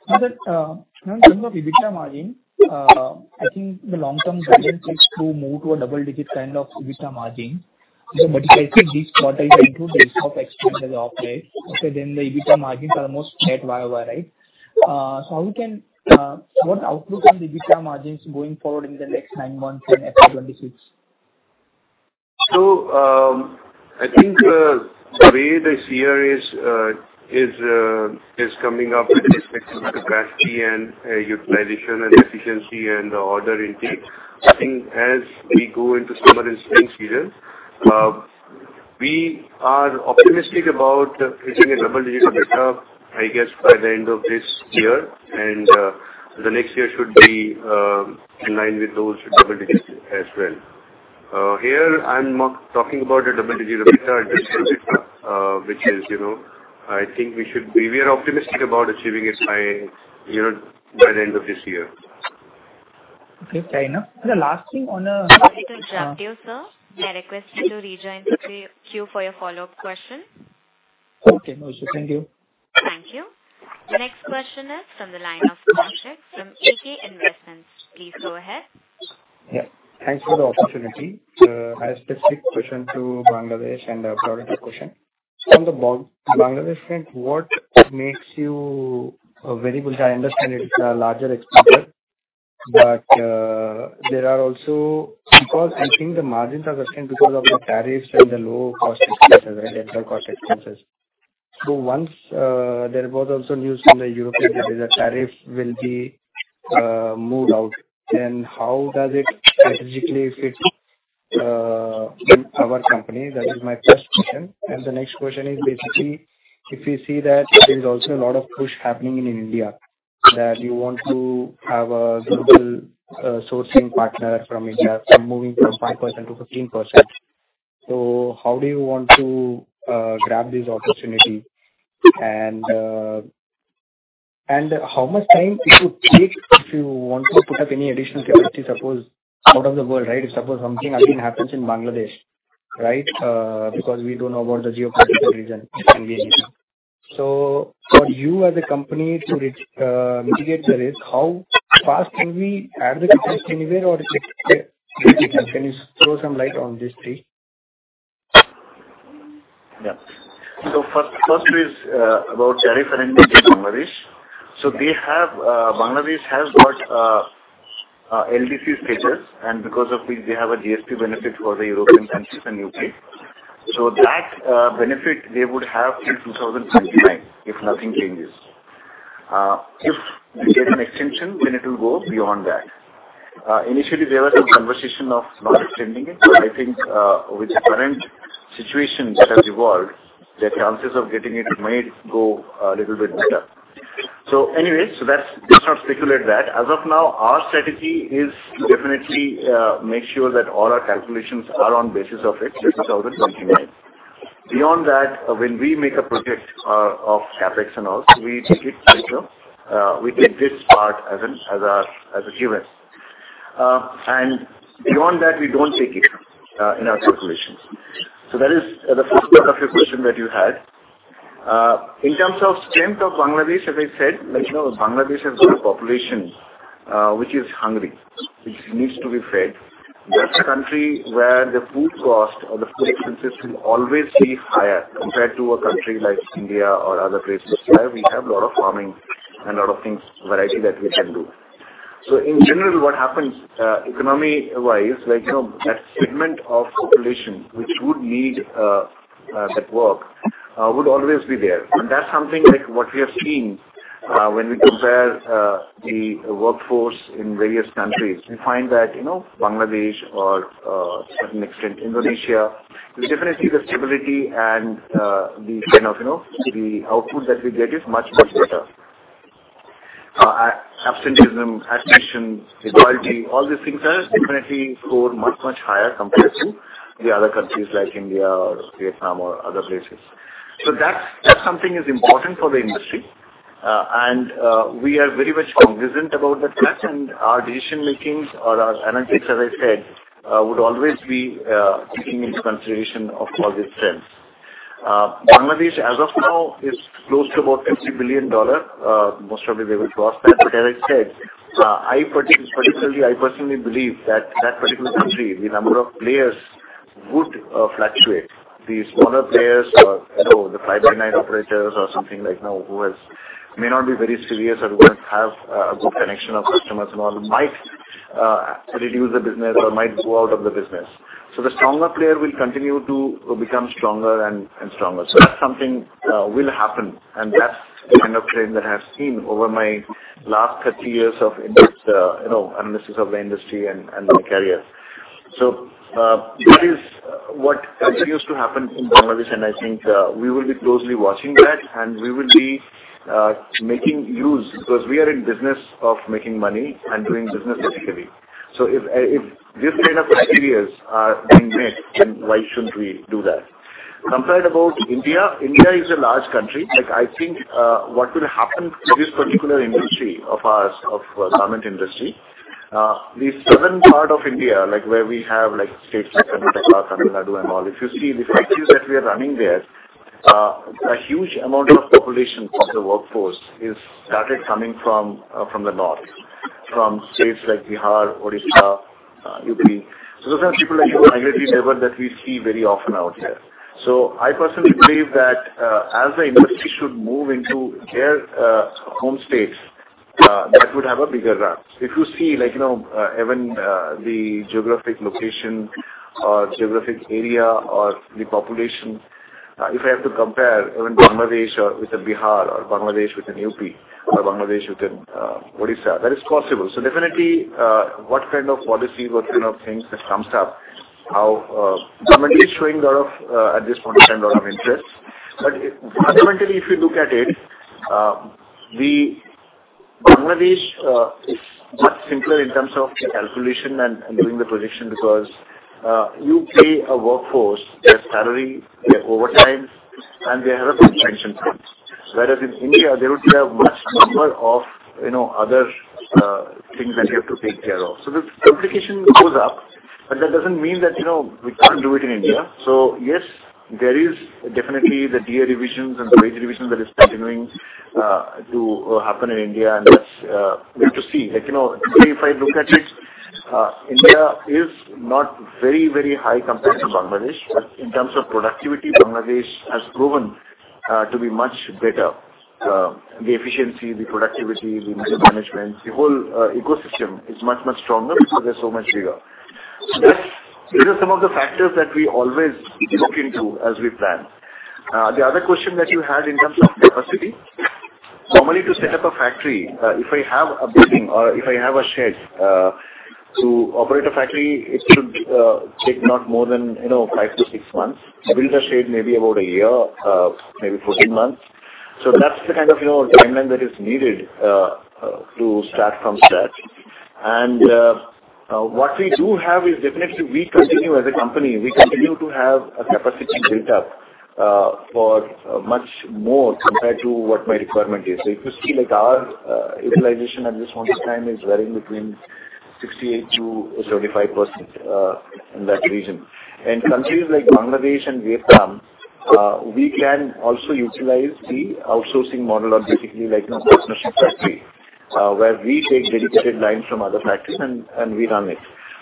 Now, in terms of EBITDA margin, I think the long-term guidance is to move to a double-digit kind of EBITDA margin. But if I see this quarter's rise in operating expenditure, then the EBITDA margin is almost flat YoY, right? So, what's the outlook on the EBITDA margin going forward in the next nine months in FY 2026? So I think the way the ICRA is coming up with the expected capacity and utilization and efficiency and the order intake. I think as we go into summer and spring season, we are optimistic about hitting a double-digit EBITDA, I guess, by the end of this year. And the next year should be in line with those double digits as well. Here, I'm not talking about a double-digit EBITDA at this moment, which is, I think, we are optimistic about achieving it by the end of this year. Okay. Fair enough. The last thing on. Concluding the interview, sir. May I request you to rejoin the queue for your follow-up question? Okay. No issue. Thank you. Thank you. The next question is from the line of [Kaushik] from AK Investment. Please go ahead. Yeah. Thanks for the opportunity. I have a specific question to Bangladesh and a product question. From the Bangladesh side, what makes you available? I understand it's a larger expenditure, but there are also because I think the margins are sustained because of the tariffs and the low-cost expenses, right. So once there was also news from the European that the tariff will be moved out, then how does it strategically fit our company? That is my first question. And the next question is basically if we see that there is also a lot of push happening in India, that you want to have a global sourcing partner from India, from moving from 5%-15%. So how do you want to grab this opportunity? And how much time it would take if you want to put up any additional capacity, suppose out of the world, right? If suppose something again happens in Bangladesh, right, because we don't know about the geopolitical reason, it can be anything. So for you as a company to mitigate the risk, how fast can we add the capacity anywhere or can you throw some light on this strategy? Yeah. So first is about tariff and in Bangladesh. So Bangladesh has got LDC status, and because of which they have a GSP benefit for the European countries and U.K. So that benefit they would have till 2029 if nothing changes. If there's an extension, then it will go beyond that. Initially, there was some conversation of not extending it, but I think with the current situation that has evolved, the chances of getting it made go a little bit better. So anyway, so let's not speculate that. As of now, our strategy is definitely to make sure that all our calculations are on the basis of it in 2029. Beyond that, when we make a project of CapEx and all, we take it later. We take this part as a given. And beyond that, we don't take it in our calculations. That is the first part of your question that you had. In terms of strength of Bangladesh, as I said, Bangladesh has a population which is hungry, which needs to be fed. That's a country where the food cost or the food expenses will always be higher compared to a country like India or other places where we have a lot of farming and a lot of things, variety that we can do. So in general, what happens economy-wise, that segment of population which would need that work would always be there. And that's something like what we have seen when we compare the workforce in various countries. We find that Bangladesh, or to a certain extent, Indonesia, is definitely the stability and the kind of the output that we get is much, much better. Absenteeism, attrition, disquality, all these things are definitely scored much, much higher compared to the other countries like India or Vietnam or other places, so that's something that is important for the industry, and we are very much cognizant about that fact, and our decision-making or our analytics, as I said, would always be taking into consideration of all these trends. Bangladesh, as of now, is close to about $50 billion. Most probably, they will cross that, but as I said, particularly, I personally believe that that particular country, the number of players would fluctuate. The smaller players or the fly-by-night operators or something like that who may not be very serious or who might have a good connection of customers and all might reduce the business or might go out of the business, so the stronger player will continue to become stronger and stronger. That's something that will happen. That's the kind of trend that I have seen over my last 30 years of analysis of the industry and the carriers. That is what continues to happen in Bangladesh, and I think we will be closely watching that, and we will be making use because we are in business of making money and doing business ethically. If this kind of criteria is being met, then why shouldn't we do that? Compared to India, India is a large country. I think what will happen to this particular industry of ours, our garment industry, the southern part of India, where we have states like Karnataka, Tamil Nadu, and all, if you see the factories that we are running there, a huge amount of population of the workforce has started coming from the north, from states like Bihar, Odisha, UP. So those are the people like migratory labor that we see very often out here. So I personally believe that as the industry should move into their home states, that would have a bigger rub. If you see even the geographic location or geographic area or the population, if I have to compare even Bangladesh with Bihar or Bangladesh with UP or Bangladesh with Odisha, that is possible. So definitely, what kind of policy, what kind of things have come up, how government is showing a lot of, at this point in time, a lot of interest. But fundamentally, if you look at it, Bangladesh is much simpler in terms of calculation and doing the projection because you pay a workforce, their salary, their overtime, and they have a good pension plan. Whereas in India, there would be a much number of other things that you have to take care of. So the complication goes up, but that doesn't mean that we can't do it in India. So yes, there is definitely the DA revisions and the wage revisions that are continuing to happen in India, and that's good to see. If I look at it, India is not very, very high compared to Bangladesh, but in terms of productivity, Bangladesh has proven to be much better. The efficiency, the productivity, the management, the whole ecosystem is much, much stronger because they're so much bigger. So these are some of the factors that we always look into as we plan. The other question that you had in terms of capacity, normally to set up a factory, if I have a building or if I have a shed to operate a factory, it should take not more than five to six months. Build a shed maybe about a year, maybe 14 months. So that's the kind of timeline that is needed to start from scratch. And what we do have is definitely we continue as a company, we continue to have a capacity built up for much more compared to what my requirement is. So if you see our utilization at this point in time is varying between 68%-75% in that region. In countries like Bangladesh and Vietnam, we can also utilize the outsourcing model or basically partnership factory where we take dedicated lines from other factories and we run it.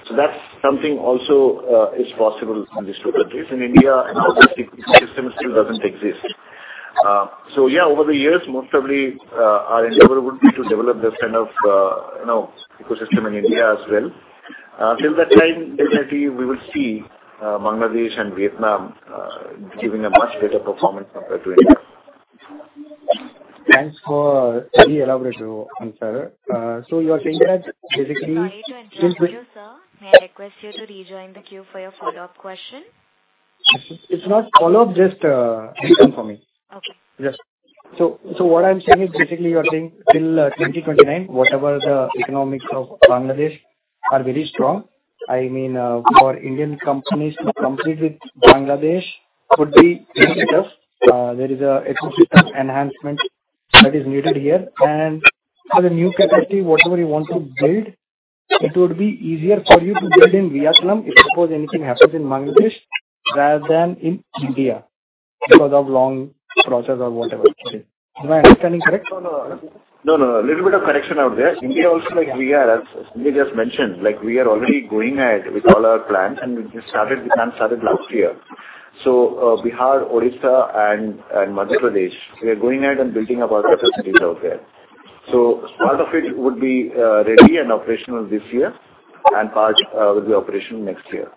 So that's something also is possible in these two countries. In India, an outsourcing ecosystem still doesn't exist. So yeah, over the years, most probably our endeavor would be to develop this kind of ecosystem in India as well. Until that time, definitely we will see Bangladesh and Vietnam giving a much better performance compared to India. Thanks for the elaborate answer. So you are saying that basically till. Thank you, sir. May I request you to rejoin the queue for your follow-up question? It's not follow-up, just conforming. Okay. Yes. So what I'm saying is basically you are saying till 2029, whatever the economics of Bangladesh are very strong. I mean, for Indian companies to compete with Bangladesh would be easier. There is an ecosystem enhancement that is needed here. And for the new capacity, whatever you want to build, it would be easier for you to build in Vietnam if, suppose, anything happens in Bangladesh rather than in India because of long process or whatever. Is my understanding correct? No, no, no. A little bit of correction out there. India also, like we just mentioned, we are already going ahead with all our plans, and we just started the plan last year, so Bihar, Odisha, and Madhya Pradesh, we are going ahead and building up our capacities out there. So part of it would be ready and operational this year, and part will be operational next year.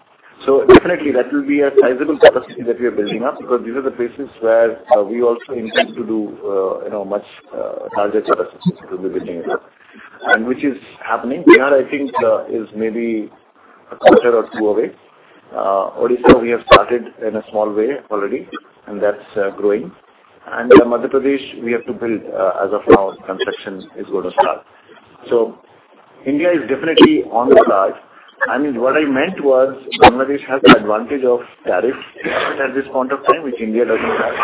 So definitely, that will be a sizable capacity that we are building up because these are the places where we also intend to do much larger capacity to be building it up, which is happening. Bihar, I think, is maybe a quarter or two away. Odisha, we have started in a small way already, and that's growing, and Madhya Pradesh, we have to build as of now. Construction is going to start, so India is definitely on the card. I mean, what I meant was Bangladesh has the advantage of tariffs at this point of time, which India doesn't have,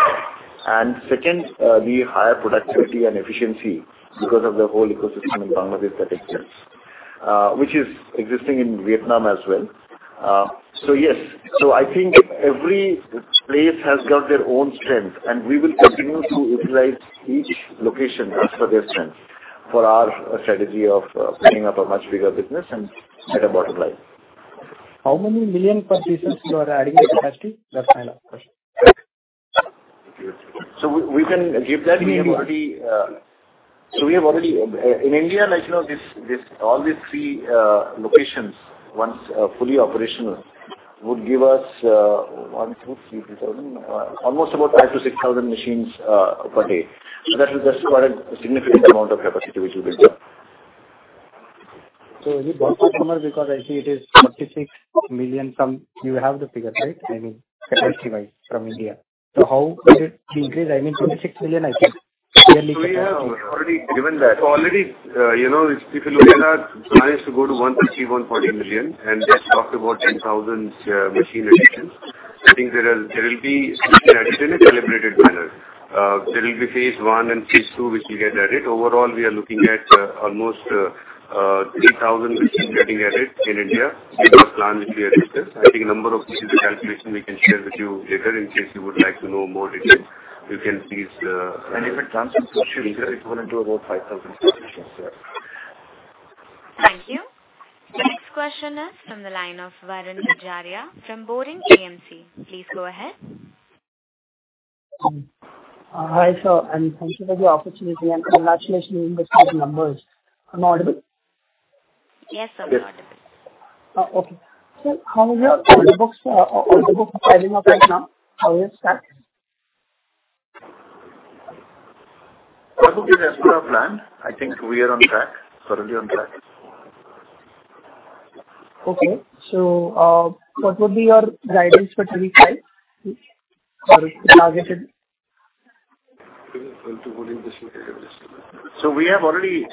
and second, the higher productivity and efficiency because of the whole ecosystem in Bangladesh that exists, which is existing in Vietnam as well, so yes, so I think every place has got their own strength, and we will continue to utilize each location as per their strength for our strategy of putting up a much bigger business and better bottom line. How many million per business you are adding in capacity? That's my last question. So we can give that. So we have already in India all these three locations, once fully operational, would give us one, two, three, almost about five to six thousand machines per day. So that's quite a significant amount of capacity which we will have. So you bought that number because I see it is 46 million. You have the figure, right? I mean, capacity-wise from India. So how would it increase? I mean, 26 million, I think, yearly. We have already given that. So already, if you look at our plans to go to 150-140 million, and just talked about 10,000 machine additions. I think there will be added in a calibrated manner. There will be phase one and phase two which will get added. Overall, we are looking at almost 3,000 machines getting added in India with our plan which we have discussed. I think a number of this is a calculation we can share with you later in case you would like to know more detail. You can please. If it comes to push it, it's going to be about 5,000 machines, yeah. Thank you. The next question is from the line of Varun Gajaria from Boring AMC. Please go ahead. Hi, sir. And thank you for the opportunity. And congratulations on the big numbers. Am I audible. Yes, you are audible. Okay, so how is your order book piling up right now? How is it stacked? Order book is as per our plan. I think we are on track, currently on track. Okay. So what would be your guidance for 2025? Sorry, targeted. So we have already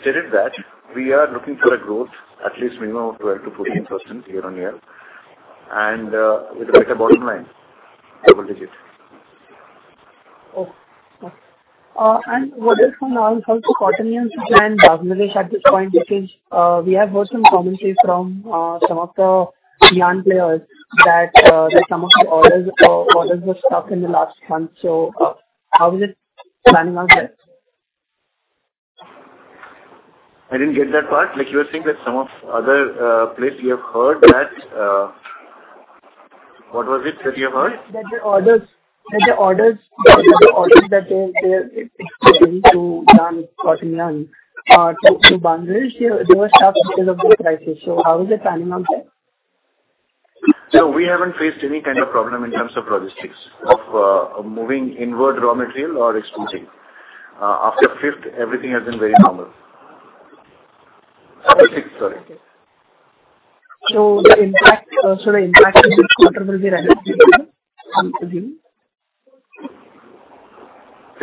stated that we are looking for a growth, at least minimum of 12%-14% year-on-year, and with a better bottom line, double-digit. Okay. What is your knowledge of the quarter in Bangladesh at this point because we have heard some commentary from some of the Indian players that some of the orders were stuck in the last month. So how is it panning out there? I didn't get that part. You were saying that some other places you have heard that. What was it that you heard? That the orders that they are going to to Bangladesh, they were stuck because of the crisis. So how is it panning out there? So we haven't faced any kind of problem in terms of logistics of moving inward raw material or exporting. After fifth, everything has been very normal. Okay. Sorry. So the impact of the quarter will be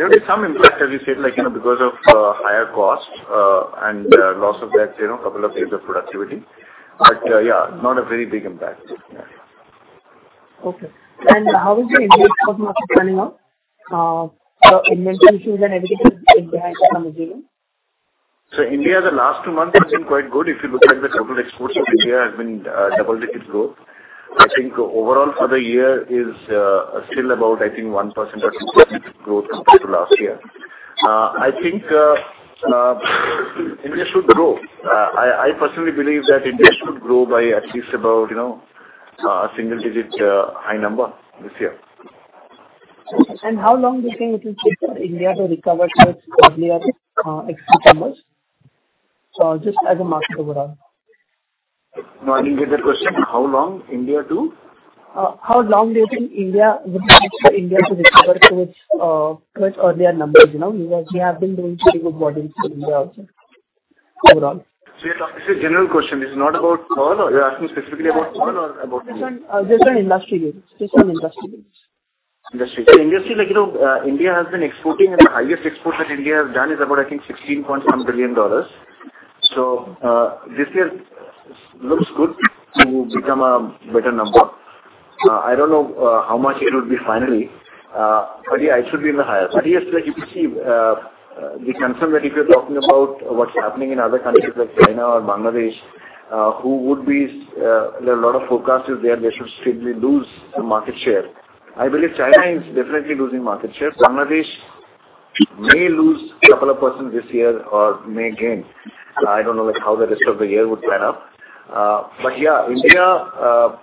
relative to June? There will be some impact, as you said, because of higher costs and loss of that, a couple of days of productivity. But yeah, not a very big impact. Okay. And how is the Indian ecosystem planning out? So inventory issues and everything is behind as of June? India, the last two months have been quite good. If you look at the total exports of India, it has been double-digit growth. I think overall for the year is still about, I think, 1%-2% growth compared to last year. I think India should grow. I personally believe that India should grow by at least about a single-digit high number this year. How long do you think it will take for India to recover to its earlier export numbers? Just as a market overall. No, I didn't get that question. How long India to? How long do you think it would take for India to recover to its earlier numbers? We have been doing pretty good volumes for India also overall. So this is a general question. This is not about all? You're asking specifically about all or about? Just on industry goods. Industry. So industry, India has been exporting, and the highest export that India has done is about, I think, $16.1 billion. So this year looks good to become a better number. I don't know how much it would be finally, but yeah, it should be in the higher. But yes, you can see the concern that if you're talking about what's happening in other countries like China or Bangladesh, who would be there are a lot of forecasts there they should simply lose the market share. I believe China is definitely losing market share. Bangladesh may lose a couple of percent this year or may gain. I don't know how the rest of the year would pan out. But yeah, India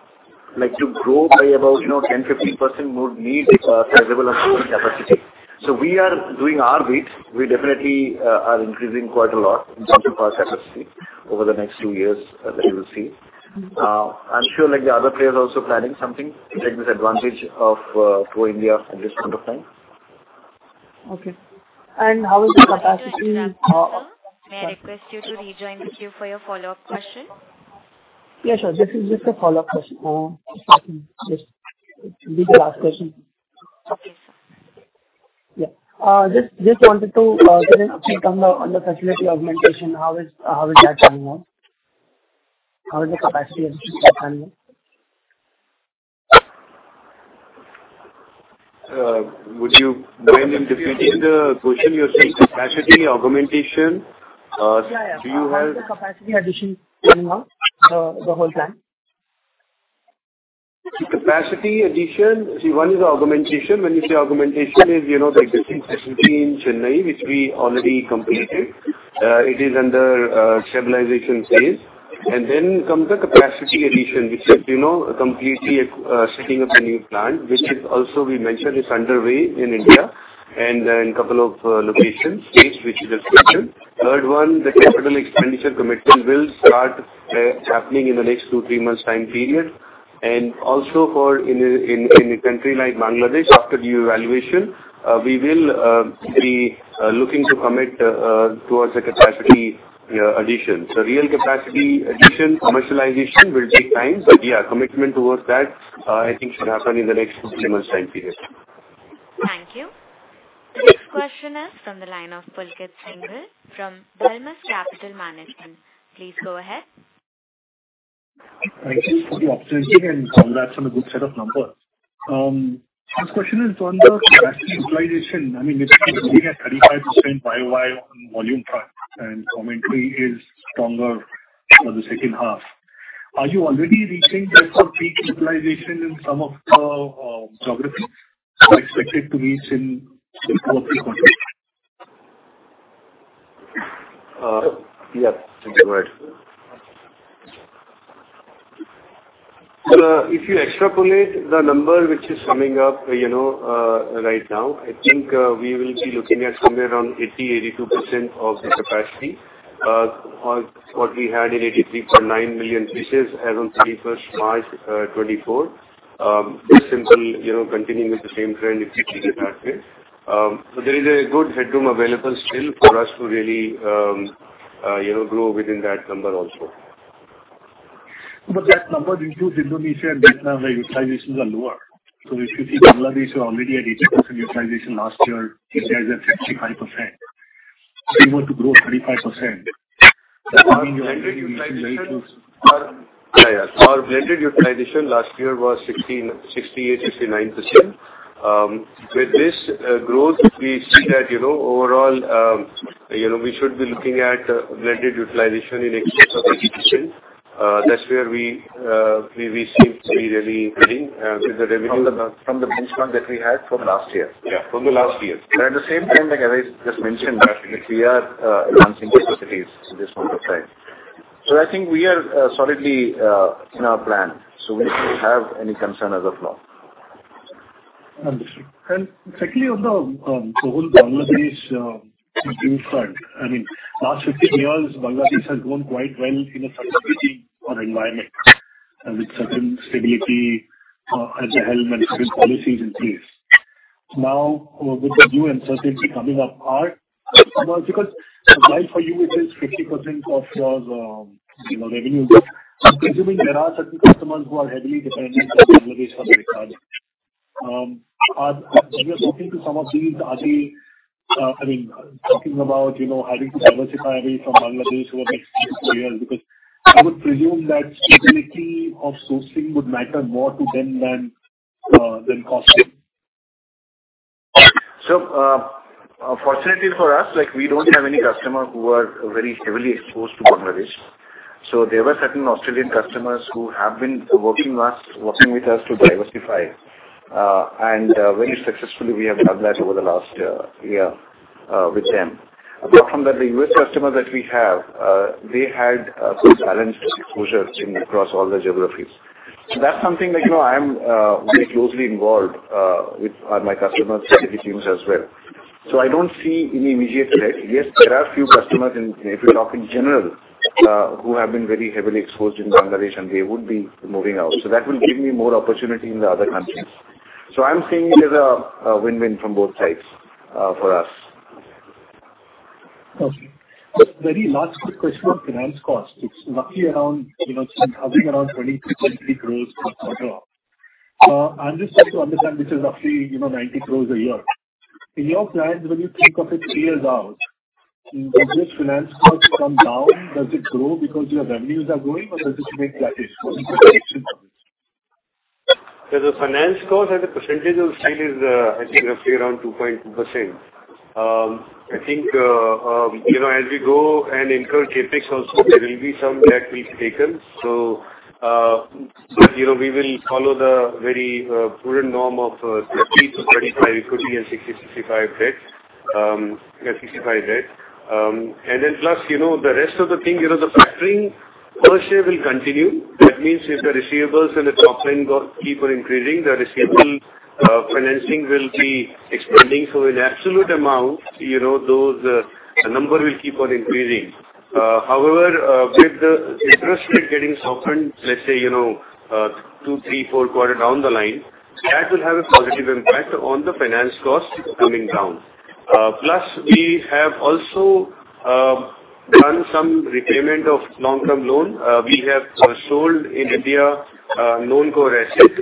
to grow by about 10%-15% would need sizable amount of capacity. So we are doing our bit. We definitely are increasing quite a lot in terms of our capacity over the next two years that you will see. I'm sure the other players are also planning something to take this advantage of pro-India at this point of time. Okay. And how is the capacity? May I request you to rejoin the queue for your follow-up question? Yes, sir. This is just a follow-up question. Just the last question. Okay, sir. Yeah. Just wanted to get an update on the facility augmentation. How is that going on? How is the capacity addition going on? Would you mind me repeating the question you're saying? Capacity augmentation, do you have? How is the capacity addition going on? The whole plan? Capacity addition, see, one is augmentation. When you say augmentation, it is the existing facility in Chennai, which we already completed. It is under stabilization phase. And then comes the capacity addition, which is completely setting up a new plant, which is also, we mentioned, is underway in India and in a couple of locations, which is expected. Third one, the capital expenditure commitment will start happening in the next two, three months' time period. And also, for in a country like Bangladesh, after the evaluation, we will be looking to commit towards the capacity addition. So real capacity addition, commercialization will take time. But yeah, commitment towards that, I think, should happen in the next two, three months' time period. Thank you. The next question is from the line of Pulkit Singhal from Dalmus Capital Management. Please go ahead. Thank you for the opportunity, and that's a good set of numbers. First question is on the capacity utilization. I mean, we've seen a 35% YoY on volume front, and commentary is stronger for the second half. Are you already reaching that for peak utilization in some of the geographies? Are you expected to reach in the next two or three quarters? Yes. Thank you. Go ahead. So if you extrapolate the number which is coming up right now, I think we will be looking at somewhere around 80%-82% of the capacity on what we had in 83.9 million pieces as of 31st March 2024. Just simply continuing with the same trend if you take it that way. So there is a good headroom available still for us to really grow within that number also. But that number includes Indonesia and Vietnam, where utilizations are lower. So if you see Bangladesh, we were already at 80% utilization last year. India is at 65%. We want to grow 35%. Yeah. Our blended utilization last year was 68%-69%. With this growth, we see that overall, we should be looking at blended utilization in exports of these pieces. That's where we seem to be really getting with the revenue from the benchmark that we had from last year. Yeah, from the last year, and at the same time, as I just mentioned, we are advancing capacities at this point of time, so I think we are solidly in our plan, so we don't have any concern as of now. Understood. Secondly, on the whole Bangladesh viewpoint, I mean, last 15 years, Bangladesh has grown quite well in a certain meeting or environment with certain stability at the helm and certain policies in place. Now, with the new uncertainty coming up, our customers, because supply for you, it is 50% of your revenue. I'm presuming there are certain customers who are heavily dependent on Bangladesh for the majority. We are talking to some of these, I mean, talking about having to diversify away from Bangladesh over the next two years because I would presume that stability of sourcing would matter more to them than costing? Fortunately for us, we don't have any customer who are very heavily exposed to Bangladesh. There were certain Australian customers who have been working with us to diversify. And very successfully, we have done that over the last year with them. Apart from that, the U.S. customers that we have, they had some balanced exposure across all the geographies. That's something that I'm very closely involved with my customers' strategy teams as well. I don't see any immediate threat. Yes, there are a few customers, if you talk in general, who have been very heavily exposed in Bangladesh, and they would be moving out. That will give me more opportunity in the other countries. I'm seeing it as a win-win from both sides for us. Okay. But very last quick question on finance costs. It's roughly around something around 20% growth per quarter. I'm just trying to understand, which is roughly 90 crores a year. In your plans, when you think of it three years out, does your finance cost come down? Does it grow because your revenues are growing, or does it remain flat? The finance cost and the percentage of sale is, I think, roughly around 2.2%. I think as we go and incur CapEx also, there will be some debt we've taken. So we will follow the very prudent norm of 30-35, it could be a 60-65 debt. And then plus the rest of the thing, the factoring per share will continue. That means if the receivables and the top line keep on increasing, the receivable financing will be expanding. So in absolute amount, those number will keep on increasing. However, with the interest rate getting softened, let's say two, three, four quarters down the line, that will have a positive impact on the finance cost coming down. Plus, we have also done some repayment of long-term loan. We have sold in India non-core assets,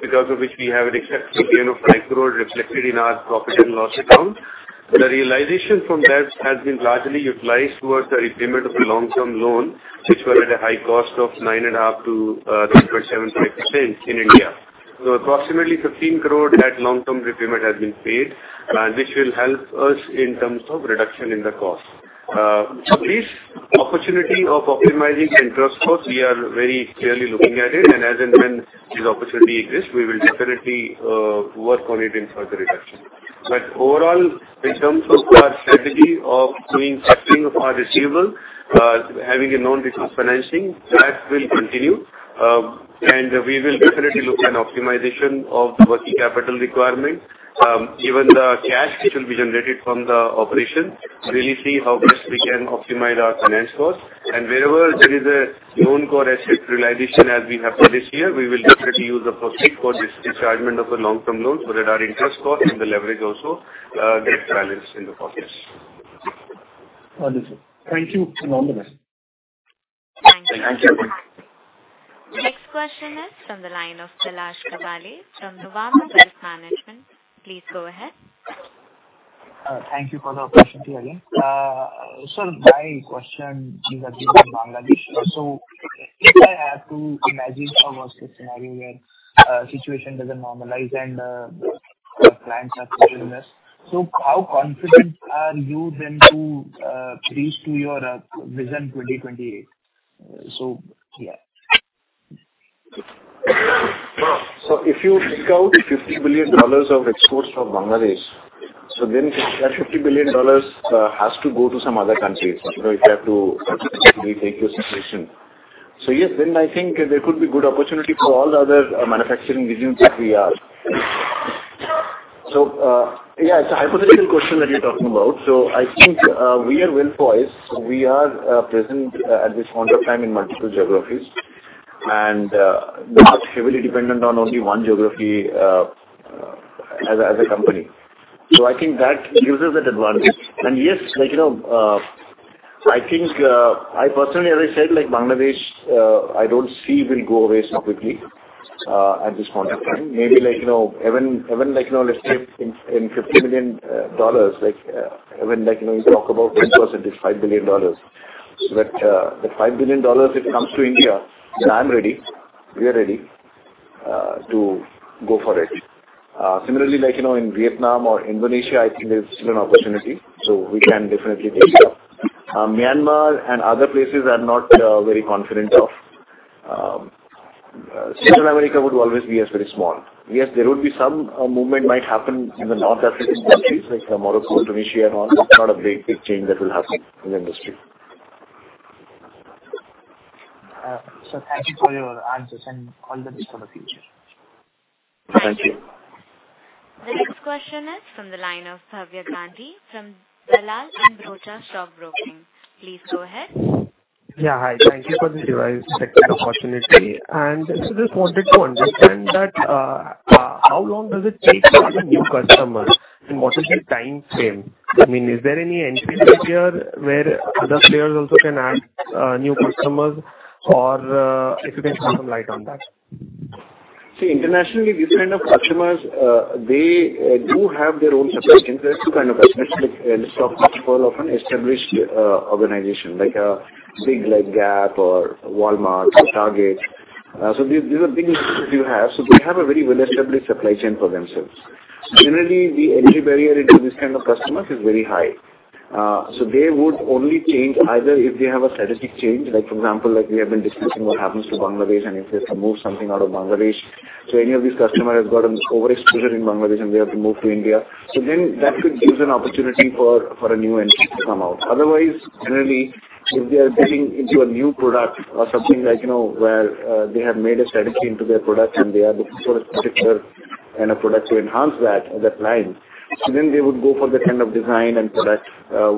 because of which we have an exceptional gain of 5 crore reflected in our profit and loss account. The realization from that has been largely utilized towards the repayment of the long-term loan, which was at a high cost of 9.5%-3.75% in India. So approximately 15 crore that long-term repayment has been paid, which will help us in terms of reduction in the cost. So this opportunity of optimizing interest cost, we are very clearly looking at it. And as and when this opportunity exists, we will definitely work on it in further reduction. But overall, in terms of our strategy of doing factoring of our receivable, having a non-recurrent financing, that will continue. And we will definitely look at optimization of the working capital requirement, given the cash which will be generated from the operation, really see how best we can optimize our finance cost. And wherever there is a non-core asset realization, as we have done this year, we will definitely use the prospect for dischargement of the long-term loan so that our interest cost and the leverage also gets balanced in the process. Understood. Thank you for your honesty. Thank you. Thank you. Next question is from the line of Palash Kawale from Nuvama Wealth Management, please go ahead. Thank you for the opportunity again. Sir, my question is at least in Bangladesh. So if I had to imagine how was the scenario where situation doesn't normalize and clients are still in this, so how confident are you then to stick to your Vision 2028? So if you discount $50 billion of exports from Bangladesh, so then that $50 billion has to go to some other countries if you have to take your situation. So yes, then I think there could be good opportunity for all other manufacturing regions that we are. So yeah, it's a hypothetical question that you're talking about. So I think we are well poised. We are present at this point of time in multiple geographies and not heavily dependent on only one geography as a company. So I think that gives us that advantage. And yes, I think I personally, as I said, Bangladesh, I don't see will go away so quickly at this point of time. Maybe even let's say in $50 million, even you talk about 10%, it's $5 billion. So that $5 billion, if it comes to India, then I'm ready. We are ready to go for it. Similarly, in Vietnam or Indonesia, I think there's still an opportunity. So we can definitely take it up. Myanmar and other places I'm not very confident of. Central America would always be very small. Yes, there would be some movement might happen in the North African countries like Morocco and Tunisia and all. It's not a big change that will happen in the industry. Thank you for your answers and all the best for the future. Thank you. The next question is from the line of Bhavya Gandhi from Dalal & Broacha Stock Broking. Please go ahead. Yeah. Hi. Thank you for this opportunity. And I just wanted to understand that how long does it take to add a new customer and what is the time frame? I mean, is there any entry this year where other players also can add new customers or if you can shed some light on that? See, internationally, these kind of customers, they do have their own supply chains. That's kind of a list of much more of an established organization like Gap or Walmart or Target. So these are big lists that you have. So they have a very well-established supply chain for themselves. Generally, the entry barrier into these kind of customers is very high. So they would only change either if they have a strategic change. For example, we have been discussing what happens to Bangladesh and if they have to move something out of Bangladesh. So any of these customers have gotten overexposure in Bangladesh and they have to move to India. So then that could give them opportunity for a new entry to come out. Otherwise, generally, if they are getting into a new product or something where they have made a strategy into their product and they are looking for a particular kind of product to enhance that line, so then they would go for that kind of design and product,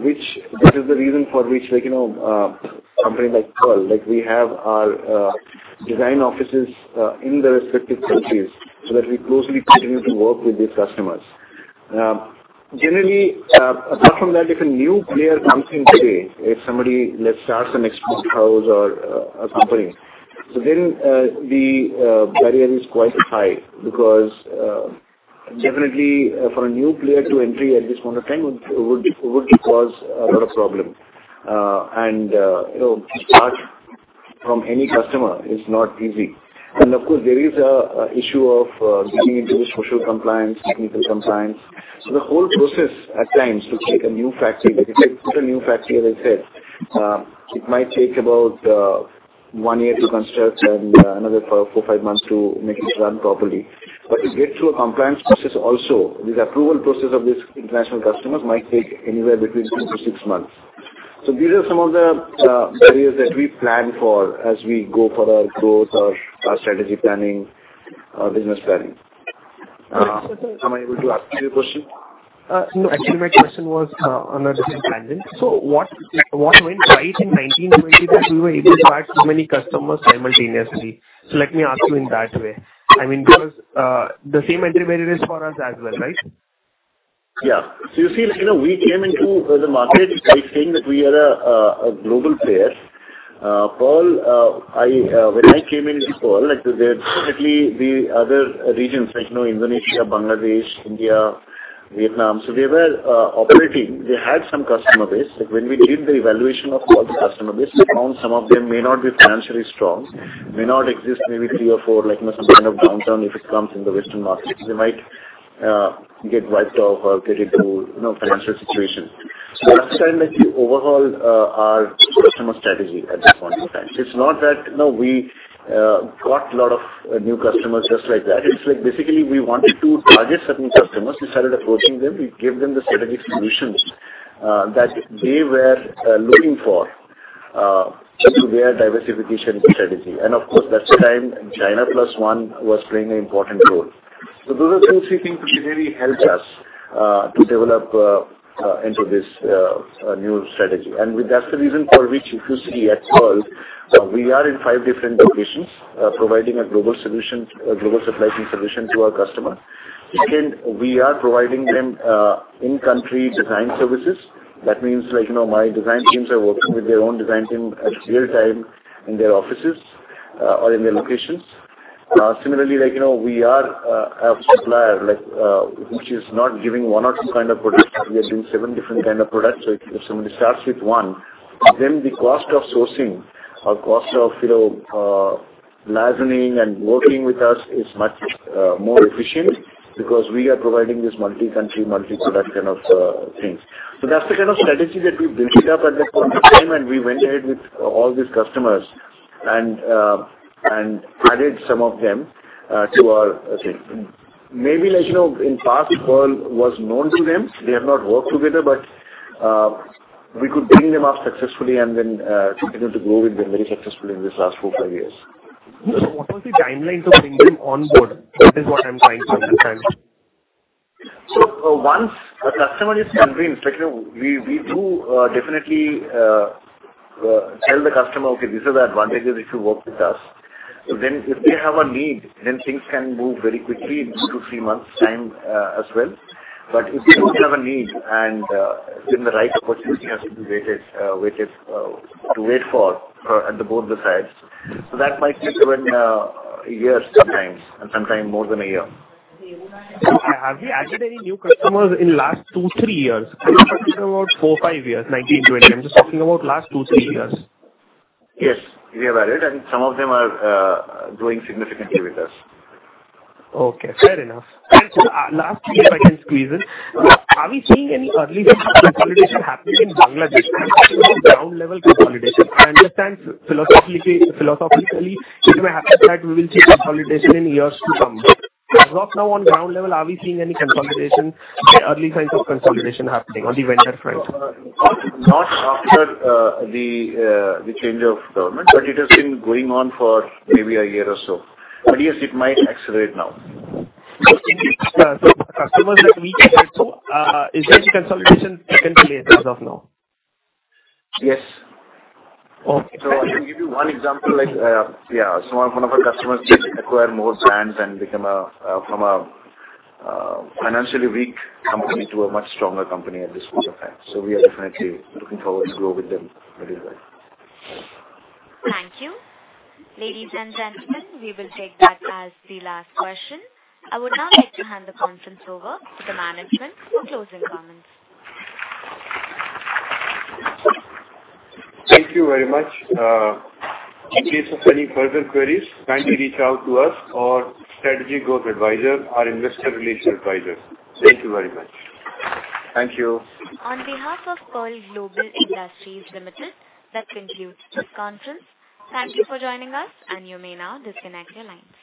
which this is the reason for which a company like Pearl, we have our design offices in the respective countries so that we closely continue to work with these customers. Generally, apart from that, if a new player comes in today, if somebody starts an export house or a company, so then the barrier is quite high because definitely for a new player to enter at this point of time would cause a lot of problems. And to start from any customer is not easy. And of course, there is an issue of getting into the social compliance, technical compliance. So the whole process at times to take a new factory, if it's a new factory, as I said, it might take about one year to construct and another four, five months to make it run properly. But to get through a compliance process also, this approval process of these international customers might take anywhere between three to six months. So these are some of the barriers that we plan for as we go for our growth, our strategy planning, our business planning. Sorry, sir. Am I able to answer your question? No. Actually, my question was on a different tangent. So what went right in 2020 that we were able to add so many customers simultaneously? So let me ask you in that way. I mean, because the same entry barrier is for us as well, right? Yeah. So you see, we came into the market by saying that we are a global player. Pearl, when I came into Pearl, there were definitely the other regions like Indonesia, Bangladesh, India, Vietnam. So they were operating. They had some customer base. When we did the evaluation of all the customer base, we found some of them may not be financially strong, may not exist maybe three or four, some kind of downturn if it comes in the Western market. They might get wiped off or get into a financial situation. So that's kind of the overall customer strategy at this point in time. So it's not that we got a lot of new customers just like that. It's basically we wanted to target certain customers. We started approaching them. We gave them the strategic solutions that they were looking for to their diversification strategy. And of course, that's the time China Plus One was playing an important role. So those are two, three things which really helped us to develop into this new strategy. And that's the reason for which, if you see at Pearl, we are in five different locations providing a global supply chain solution to our customers. We are providing them in-country design services. That means my design teams are working with their own design team in real time in their offices or in their locations. Similarly, we are a supplier which is not giving one or two kind of products. We are doing seven different kinds of products. So if somebody starts with one, then the cost of sourcing or cost of liaisoning and working with us is much more efficient because we are providing this multi-country, multi-product kind of thing. So that's the kind of strategy that we built up at that point of time, and we went ahead with all these customers and added some of them to our thing. Maybe in the past, Pearl was known to them. They have not worked together, but we could bring them up successfully and then continue to grow with them very successfully in these last four, five years. So what was the timeline to bring them on board? That is what I'm trying to understand. So once a customer is convinced, we do definitely tell the customer, Okay, these are the advantages if you work with us. So then if they have a need, then things can move very quickly in two to three months' time as well. But if they don't have a need, then the right opportunity has to be waited for at both the sides. So that might take even a year sometimes, and sometimes more than a year. Have you added any new customers in the last two, three years? I'm talking about four, five years, 2019, 2020. I'm just talking about the last two, three years. Yes, we have added, and some of them are growing significantly with us. Okay. Fair enough. And lastly, if I can squeeze in, are we seeing any early consolidation happening in Bangladesh? Ground-level consolidation. I understand philosophically, it may happen that we will see consolidation in years to come. As of now, on ground level, are we seeing any consolidation, early signs of consolidation happening on the vendor front? Not after the change of government, but it has been going on for maybe a year or so. But yes, it might accelerate now. So the customers that we cater to, is there any consolidation taken place as of now? Yes. Okay. So I can give you one example. Yeah. So one of our customers did acquire more brands and became from a financially weak company to a much stronger company at this point of time. So we are definitely looking forward to grow with them very well. Thank you. Ladies and gentlemen, we will take that as the last question. I would now like to hand the conference over to the management for closing comments. Thank you very much. In case of any further queries, kindly reach out to us or Strategic Growth Advisors or Investor Relations Advisor. Thank you very much. Thank you. On behalf of Pearl Global Industries Limited, that concludes this conference. Thank you for joining us, and you may now disconnect your lines.